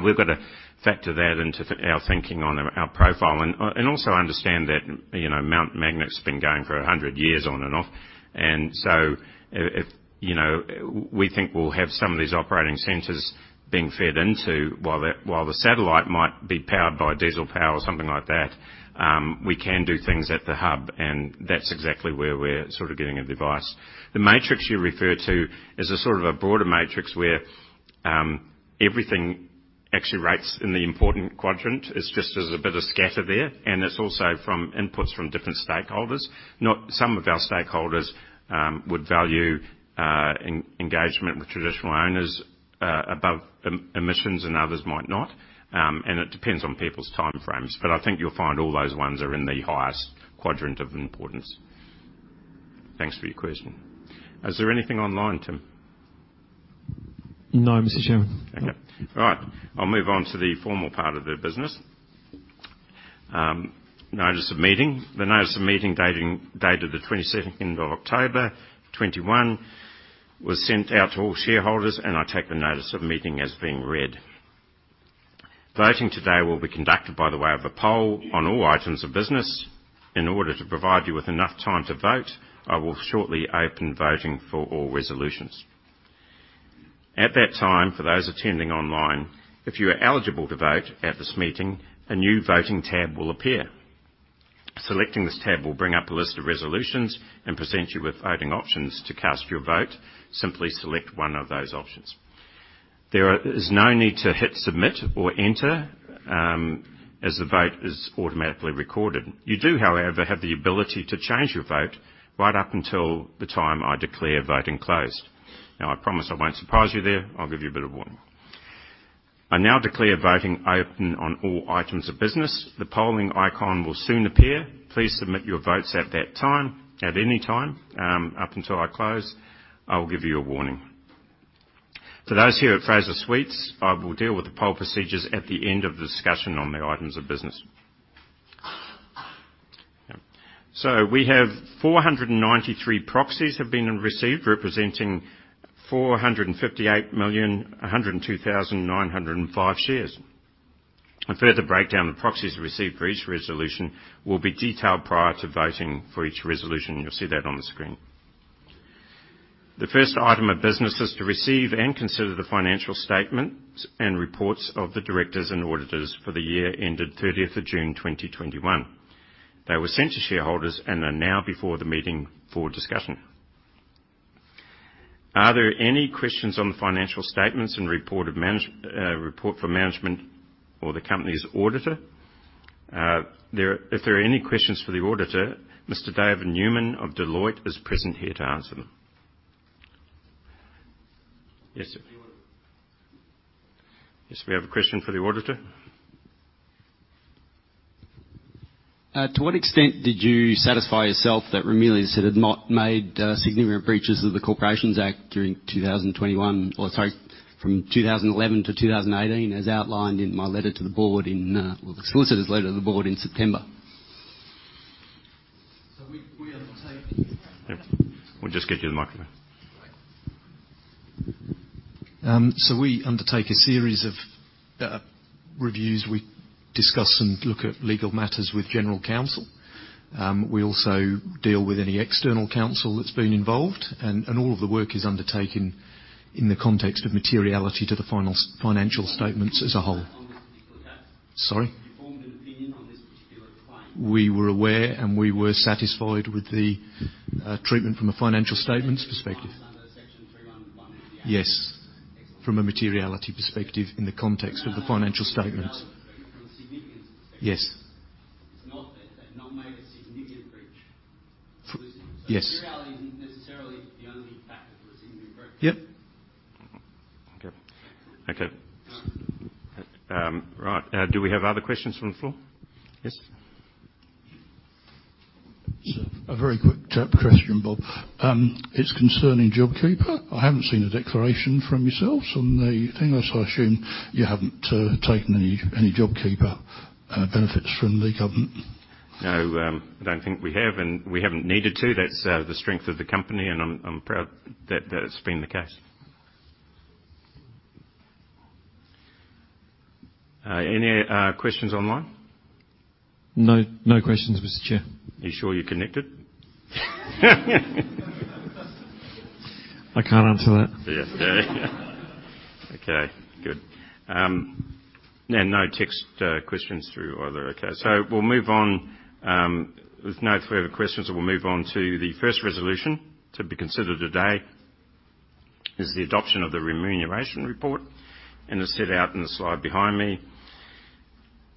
We've got to factor that into our thinking on our profile and also understand that, you know, Mount Magnet's been going for 100 years on and off. If, you know, we think we'll have some of these operating centers being fed into while the satellite might be powered by diesel power or something like that, we can do things at the hub, and that's exactly where we're sort of getting advice. The matrix you refer to is sort of a broader matrix where everything actually rates in the important quadrant. It's just there's a bit of scatter there, and it's also from inputs from different stakeholders. Some of our stakeholders would value engagement with traditional owners above emissions and others might not, and it depends on people's time frames. I think you'll find all those ones are in the highest quadrant of importance. Thanks for your question. Is there anything online, Tim? No, Mr. Chairman. Okay. All right. I'll move on to the formal part of the business. Notice of meeting. The notice of meeting dated the twenty-second of October 2021 was sent out to all shareholders, and I take the notice of meeting as being read. Voting today will be conducted by way of a poll on all items of business. In order to provide you with enough time to vote, I will shortly open voting for all resolutions. At that time, for those attending online, if you are eligible to vote at this meeting, a new voting tab will appear. Selecting this tab will bring up a list of resolutions and present you with voting options to cast your vote. Simply select one of those options. There is no need to hit Submit or Enter, as the vote is automatically recorded. You do, however, have the ability to change your vote right up until the time I declare voting closed. Now, I promise I won't surprise you there. I'll give you a bit of warning. I now declare voting open on all items of business. The polling icon will soon appear. Please submit your votes at that time, at any time, up until I close. I will give you a warning. For those here at Fraser Suites, I will deal with the poll procedures at the end of the discussion on the items of business. We have 493 proxies have been received representing 458,102,905 shares. A further breakdown of proxies received for each resolution will be detailed prior to voting for each resolution. You'll see that on the screen. The first item of business is to receive and consider the financial statements and reports of the directors and auditors for the year ended 30th of June 2021. They were sent to shareholders and are now before the meeting for discussion. Are there any questions on the financial statements and report for management or the company's auditor? If there are any questions for the auditor, Mr. David Newman of Deloitte is present here to answer them. Yes. Yes, we have a question for the auditor. To what extent did you satisfy yourself that Ramelius had not made significant breaches of the Corporations Act during 2021? Or sorry, from 2011 to 2018, as outlined in the solicitor's letter to the board in September. We undertake Yeah. We'll just get you the microphone. Right. We undertake a series of reviews. We discuss and look at legal matters with general counsel. We also deal with any external counsel that's been involved. All of the work is undertaken in the context of materiality to the financial statements as a whole. Sorry? You formed an opinion on this particular claim. We were aware, and we were satisfied with the treatment from a financial statements perspective. Under Section 311 of the Act. Yes. From a materiality perspective in the context of the financial statements. From a significance perspective. Yes. It's not that they've not made a significant breach. Yes. Materiality isn't necessarily the only factor for a significant breach. Yep. Okay. Okay. All right. Right. Do we have other questions from the floor? Yes. A very quick question, Bob. It's concerning JobKeeper. I haven't seen a declaration from yourselves on the thing. I assume you haven't taken any JobKeeper benefits from the government. No, don't think we have. We haven't needed to. That's the strength of the company, and I'm proud that has been the case. Any questions online? No. No questions, Mr. Chair. Are you sure you're connected? I can't answer that. Yeah. Okay, good. No text questions through either. Okay. We'll move on with no further questions, so we'll move on to the first resolution to be considered today is the adoption of the Remuneration Report and as set out in the slide behind me.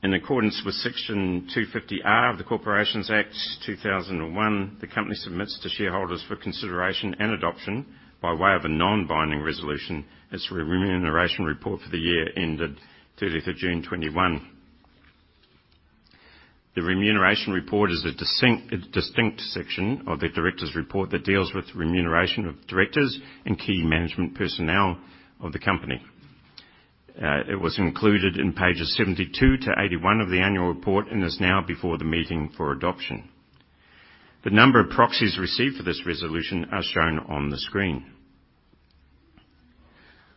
In accordance with Section 250R of the Corporations Act 2001, the company submits to shareholders for consideration and adoption by way of a non-binding resolution, its Remuneration Report for the year ended 30th of June 2021. The Remuneration Report is a distinct section of the directors' report that deals with remuneration of directors and key management personnel of the company. It was included in pages 72 to 81 of the annual report and is now before the meeting for adoption. The number of proxies received for this resolution are shown on the screen.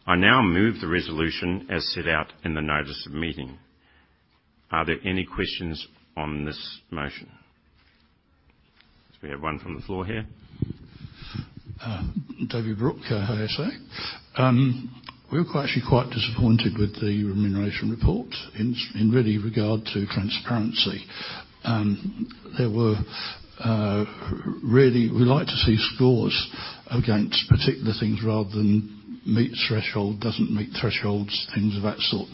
I now move the resolution as set out in the notice of meeting. Are there any questions on this motion? We have one from the floor here. David Brook, ASA. We're actually quite disappointed with the Remuneration Report in real regard to transparency. We really like to see scores against particular things rather than meets threshold, doesn't meet thresholds, things of that sort.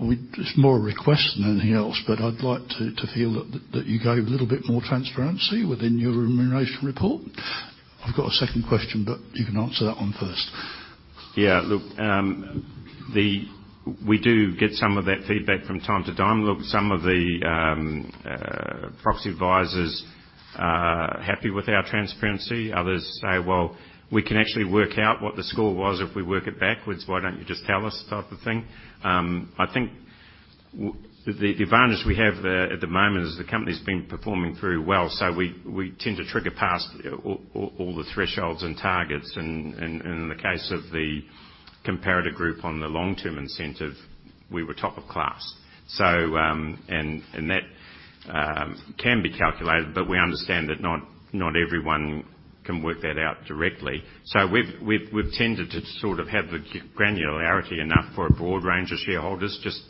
It's more a request than anything else, but I'd like to feel that you go a little bit more transparency within your remuneration report. I've got a second question, but you can answer that one first. Yeah. Look, we do get some of that feedback from time to time. Look, some of the proxy advisors are happy with our transparency. Others say, Well, we can actually work out what the score was if we work it backwards. Why don't you just tell us? type of thing. I think the advantage we have there at the moment is the company's been performing very well, so we tend to trigger past all the thresholds and targets. In the case of the comparator group on the long-term incentive, we were top of class. That can be calculated, but we understand that not everyone can work that out directly. We've tended to sort of have the granularity enough for a broad range of shareholders just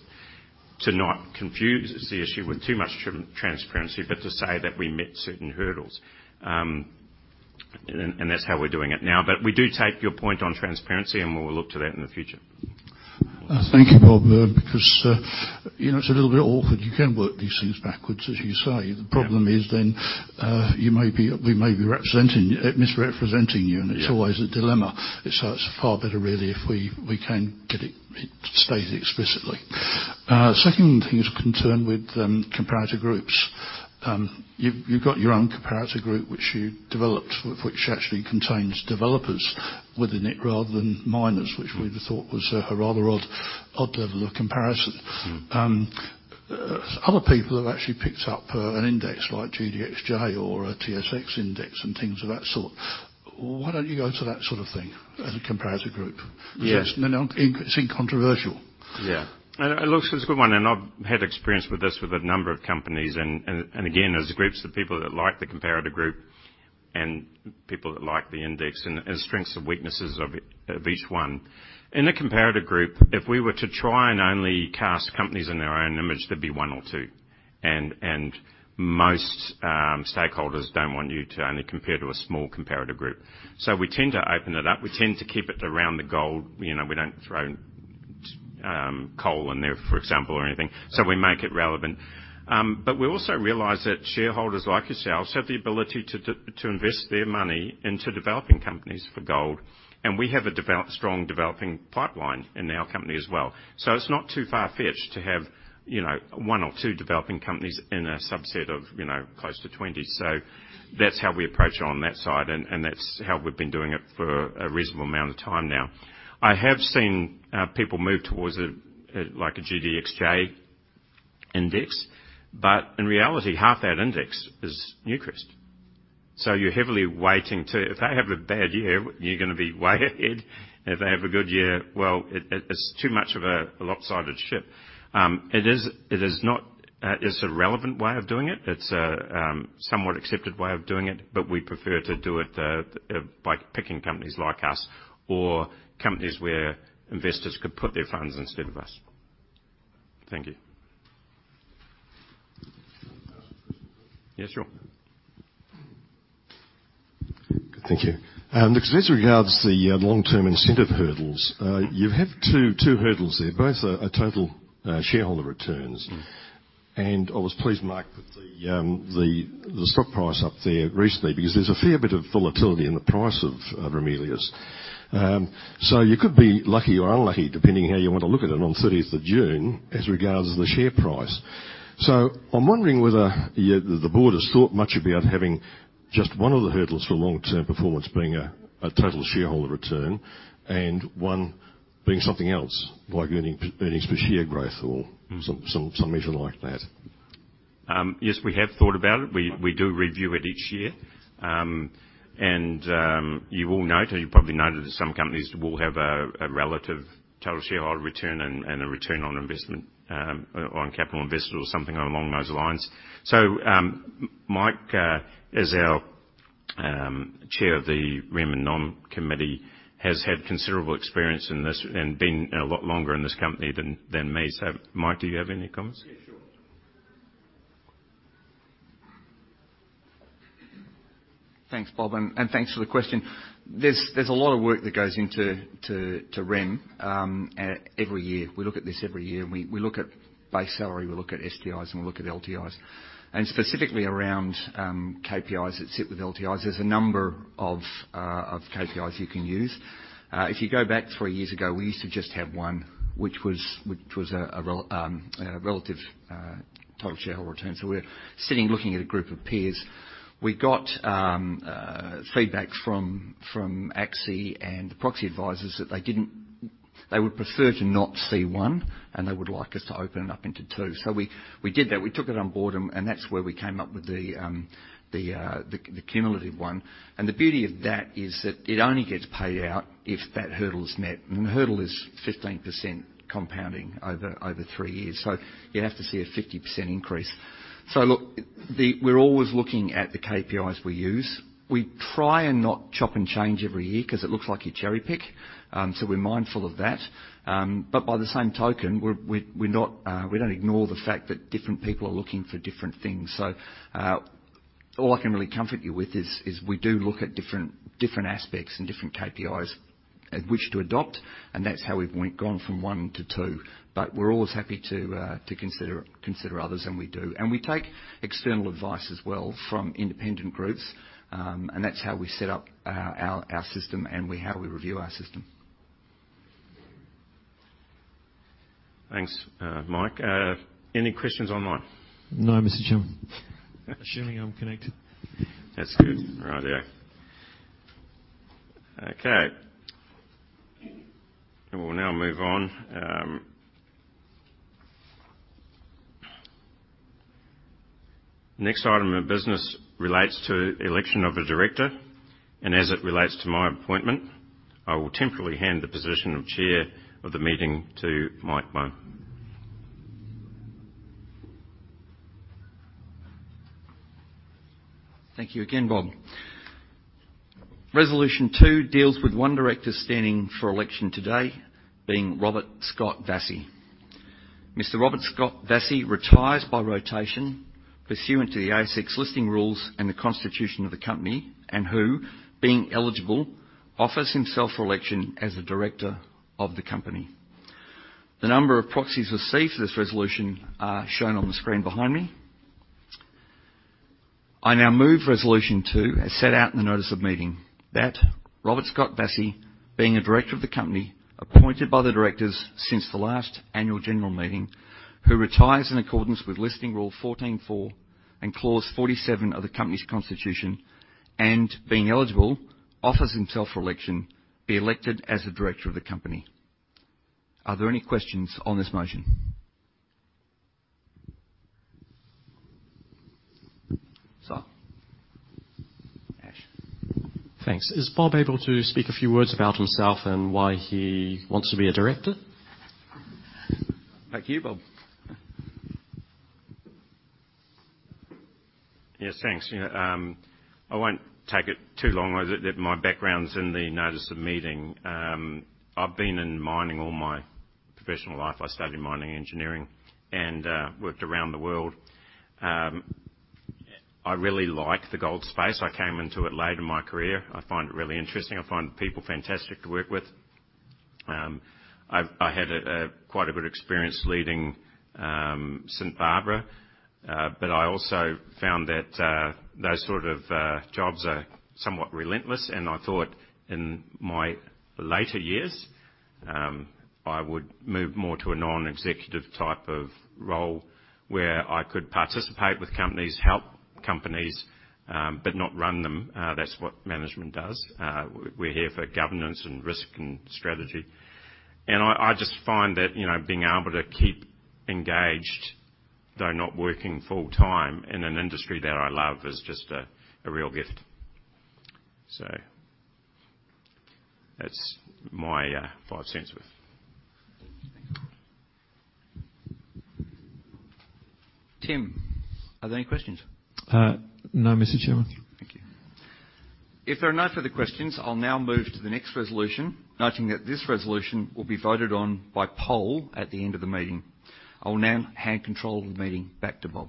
to not confuse the issue with too much transparency, but to say that we met certain hurdles. That's how we're doing it now. We do take your point on transparency, and we'll look to that in the future. Thank you, Bob. Because, you know, it's a little bit awkward. You can work these things backwards, as you say. Yeah. The problem is, we may be misrepresenting you. Yeah. It's always a dilemma. It's far better, really, if we can get it stated explicitly. Second thing is a concern with comparator groups. You've got your own comparator group which you developed, which actually contains developers within it rather than miners, which we thought was a rather odd level of comparison. Mm-hmm. Other people have actually picked up an index like GDXJ or a TSX index and things of that sort. Why don't you go to that sort of thing as a comparator group? Yeah. It seems controversial. Yeah. It looks it's a good one, and I've had experience with this with a number of companies. Again, there's groups of people that like the comparator group and people that like the index and strengths and weaknesses of each one. In a comparator group, if we were to try and only cast companies in their own image, there'd be one or two. Most stakeholders don't want you to only compare to a small comparator group. We tend to open it up. We tend to keep it around the gold. You know, we don't throw coal in there, for example, or anything. We make it relevant. But we also realize that shareholders like yourselves have the ability to invest their money into developing companies for gold. We have a strong developing pipeline in our company as well. It's not too far-fetched to have, you know, one or two developing companies in a subset of, you know, close to 20. That's how we approach it on that side. That's how we've been doing it for a reasonable amount of time now. I have seen people move towards a, like a GDXJ index, but in reality, half that index is Newcrest. You're heavily weighting to. If they have a bad year, you're gonna be way ahead. If they have a good year, well, it's too much of a lopsided ship. It is not a relevant way of doing it. It's a somewhat accepted way of doing it, but we prefer to do it by picking companies like us or companies where investors could put their funds instead of us. Thank you. Can I ask a question, Bob? Yeah, sure. Thank you. With regards the long-term incentive hurdles, you have two hurdles there. Both are total shareholder returns. Mm-hmm. I was pleased, Mike, that the stock price up there recently, because there's a fair bit of volatility in the price of Ramelius. You could be lucky or unlucky, depending on how you want to look at it, on thirtieth of June as regards the share price. I'm wondering whether the board has thought much about having just one of the hurdles for long-term performance being a total shareholder return and one being something else, like earnings per share growth or- Mm-hmm. some measure like that. Yes, we have thought about it. We do review it each year. You will note, and you probably noted that some companies will have a relative total shareholder return and a return on investment on capital investment or something along those lines. Mike, as our chair of the Rem and Nom Committee, has had considerable experience in this and been a lot longer in this company than me. Mike, do you have any comments? Yeah, sure. Thanks, Bob, and thanks for the question. There's a lot of work that goes into remuneration every year. We look at this every year, and we look at base salary, we look at STIs, and we look at LTIs. Specifically around KPIs that sit with LTIs, there's a number of KPIs you can use. If you go back three years ago, we used to just have one, which was a relative total shareholder return. We're sitting looking at a group of peers. We got feedback from ASA and the proxy advisors that they would prefer to not see one, and they would like us to open it up into two. We did that. We took it on board and that's where we came up with the cumulative one. The beauty of that is that it only gets paid out if that hurdle is met, and the hurdle is 15% compounding over three years. You have to see a 50% increase. Look, we're always looking at the KPIs we use. We try and not chop and change every year 'cause it looks like you cherry-pick. We're mindful of that. By the same token, we're not. We don't ignore the fact that different people are looking for different things. All I can really comfort you with is we do look at different aspects and different KPIs at which to adopt, and that's how we've gone from one to two. We're always happy to consider others, and we do. We take external advice as well from independent groups. That's how we set up our system and how we review our system. Thanks, Mike. Any questions online? No, Mr. Chairman. Assuming I'm connected. That's good. Righty-o. Okay. We will now move on. Next item of business relates to election of a director, and as it relates to my appointment, I will temporarily hand the position of chair of the meeting to Mike Bohm. Thank you again, Bob. Resolution 2 deals with one director standing for election today, being Robert Scott Vassie. Mr. Robert Scott Vassie retires by rotation pursuant to the ASX Listing Rules and the constitution of the company, and who, being eligible, offers himself for election as a director of the company. The number of proxies received for this resolution are shown on the screen behind me. I now move Resolution 2 as set out in the notice of meeting, that Robert Scott Vassie, being a director of the company, appointed by the directors since the last annual general meeting, who retires in accordance with Listing Rule 14.4 and Clause 47 of the company's constitution, and being eligible, offers himself for election, be elected as a director of the company. Are there any questions on this motion? Simon. Ash. Thanks. Is Bob able to speak a few words about himself and why he wants to be a director? Thank you, Bob. Yes, thanks. You know, I won't take it too long. My background's in the notice of meeting. I've been in mining all my professional life. I studied mining engineering and worked around the world. I really like the gold space. I came into it late in my career. I find it really interesting. I find people fantastic to work with. I had quite a good experience leading St Barbara, but I also found that those sort of jobs are somewhat relentless, and I thought in my later years I would move more to a non-executive type of role where I could participate with companies, help companies, but not run them. That's what management does. We're here for governance and risk and strategy. I just find that, you know, being able to keep engaged, though not working full-time in an industry that I love is just a real gift. That's my five cents worth. Tim, are there any questions? No, Mr. Chairman. Thank you. If there are no further questions, I'll now move to the next resolution, noting that this resolution will be voted on by poll at the end of the meeting. I will now hand control of the meeting back to Bob.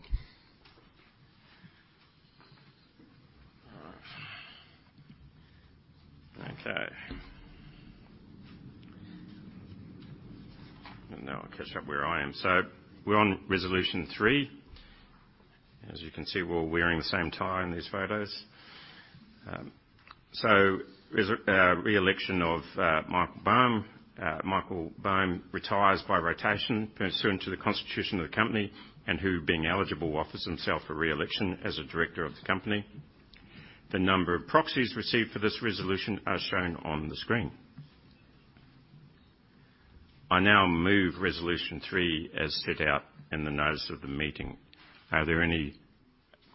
Okay. Now I catch up where I am. We're on resolution three. As you can see, we're all wearing the same tie in these photos. Re-election of Michael Bohm. Michael Bohm retires by rotation pursuant to the constitution of the company, and, being eligible, offers himself for re-election as a director of the company. The number of proxies received for this resolution are shown on the screen. I now move resolution three as set out in the notice of the meeting. Are there any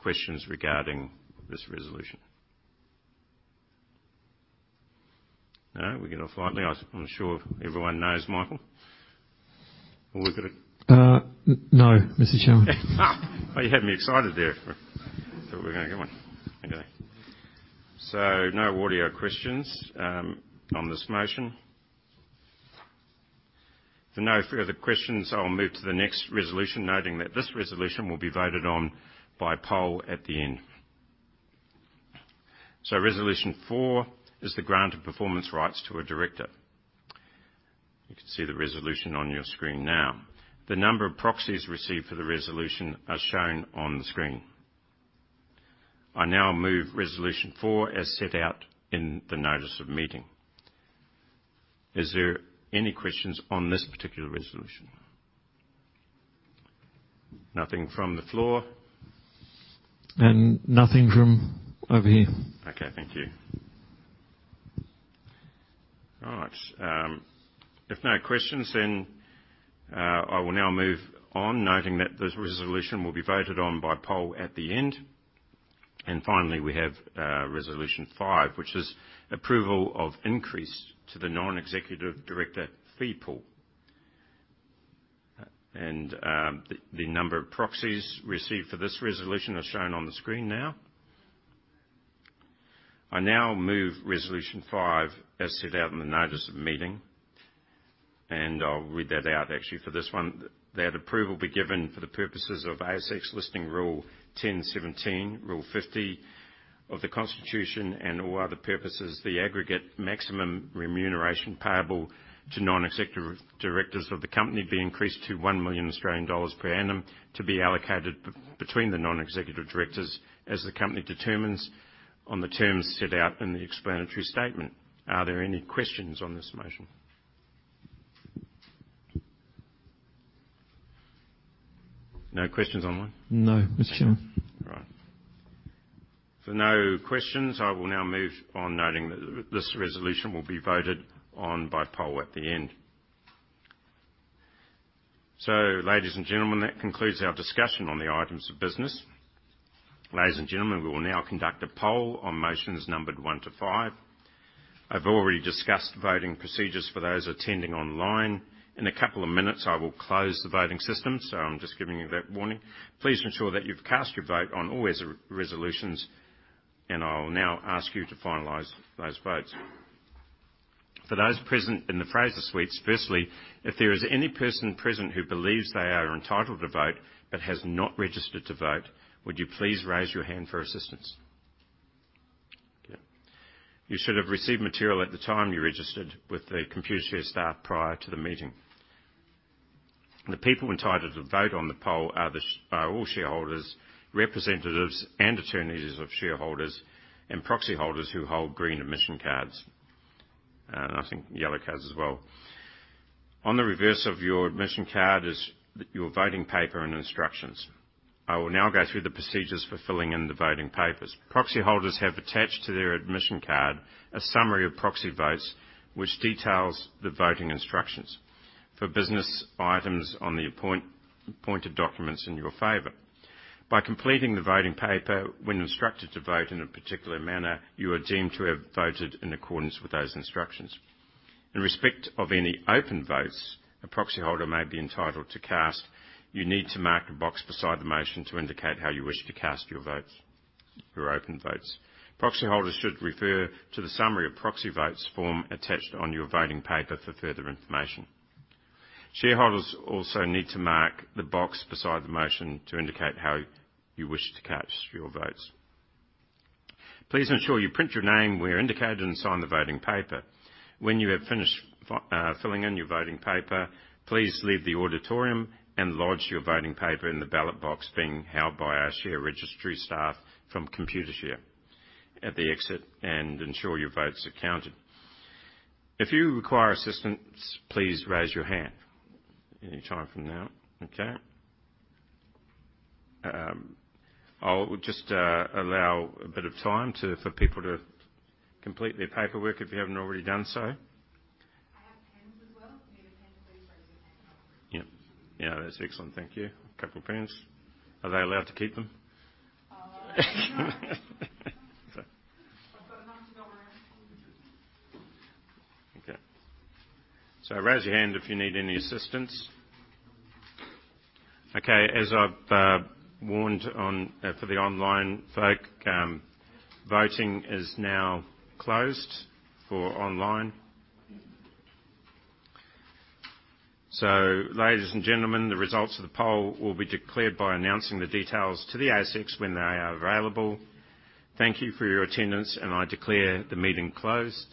questions regarding this resolution? No, we get off lightly. I'm sure everyone knows Michael. Or we've got a- No, Mr. Chairman. Oh, you had me excited there for a second. I thought we were gonna get one. Okay. No audio questions on this motion. If no further questions, I'll move to the next resolution, noting that this resolution will be voted on by poll at the end. Resolution four is the grant of performance rights to a director. You can see the resolution on your screen now. The number of proxies received for the resolution are shown on the screen. I now move resolution four as set out in the notice of meeting. Is there any questions on this particular resolution? Nothing from the floor. Nothing from over here. Okay. Thank you. All right. If no questions, then, I will now move on, noting that this resolution will be voted on by poll at the end. Finally, we have resolution five, which is approval of increase to the non-executive director fee pool. The number of proxies received for this resolution are shown on the screen now. I now move resolution five as set out in the notice of the meeting, and I'll read that out actually for this one. That approval be given for the purposes of ASX Listing Rule 10.17, rule 50 of the constitution and all other purposes, the aggregate maximum remuneration payable to non-executive directors of the company be increased to 1 million Australian dollars per annum to be allocated between the non-executive directors as the company determines on the terms set out in the explanatory statement. Are there any questions on this motion? No questions online? No, Mr. Chairman. All right. If no questions, I will now move on, noting that this resolution will be voted on by poll at the end. Ladies and gentlemen, that concludes our discussion on the items of business. Ladies and gentlemen, we will now conduct a poll on motions numbered one to five. I've already discussed voting procedures for those attending online. In a couple of minutes, I will close the voting system, so I'm just giving you that warning. Please ensure that you've cast your vote on all resolutions, and I'll now ask you to finalize those votes. For those present in the Fraser Suites, firstly, if there is any person present who believes they are entitled to vote but has not registered to vote, would you please raise your hand for assistance? Okay. You should have received material at the time you registered with the Computershare staff prior to the meeting. The people entitled to vote on the poll are all shareholders, representatives, and attorneys of shareholders and proxy holders who hold green admission cards, and I think yellow cards as well. On the reverse of your admission card is your voting paper and instructions. I will now go through the procedures for filling in the voting papers. Proxy holders have attached to their admission card a summary of proxy votes, which details the voting instructions for business items on the appointed documents in your favor. By completing the voting paper, when instructed to vote in a particular manner, you are deemed to have voted in accordance with those instructions. In respect of any open votes a proxy holder may be entitled to cast, you need to mark a box beside the motion to indicate how you wish to cast your votes, your open votes. Proxy holders should refer to the summary of proxy votes form attached on your voting paper for further information. Shareholders also need to mark the box beside the motion to indicate how you wish to cast your votes. Please ensure you print your name where indicated and sign the voting paper. When you have finished filling in your voting paper, please leave the auditorium and lodge your voting paper in the ballot box being held by our share registry staff from Computershare at the exit and ensure your votes are counted. If you require assistance, please raise your hand any time from now. Okay. I'll just allow a bit of time for people to complete their paperwork if you haven't already done so. I have pens as well. If you need a pen, please raise your hand and I'll bring them to you. Yeah. Yeah. That's excellent. Thank you. A couple pens. Are they allowed to keep them? I don't know. I've got time to go around. Okay. Raise your hand if you need any assistance. Okay. As I've warned on for the online folk, voting is now closed for online. Ladies and gentlemen, the results of the poll will be declared by announcing the details to the ASX when they are available. Thank you for your attendance, and I declare the meeting closed.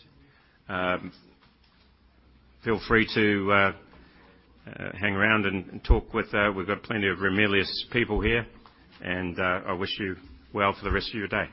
Feel free to hang around and talk with. We've got plenty of Ramelius people here, and I wish you well for the rest of your day.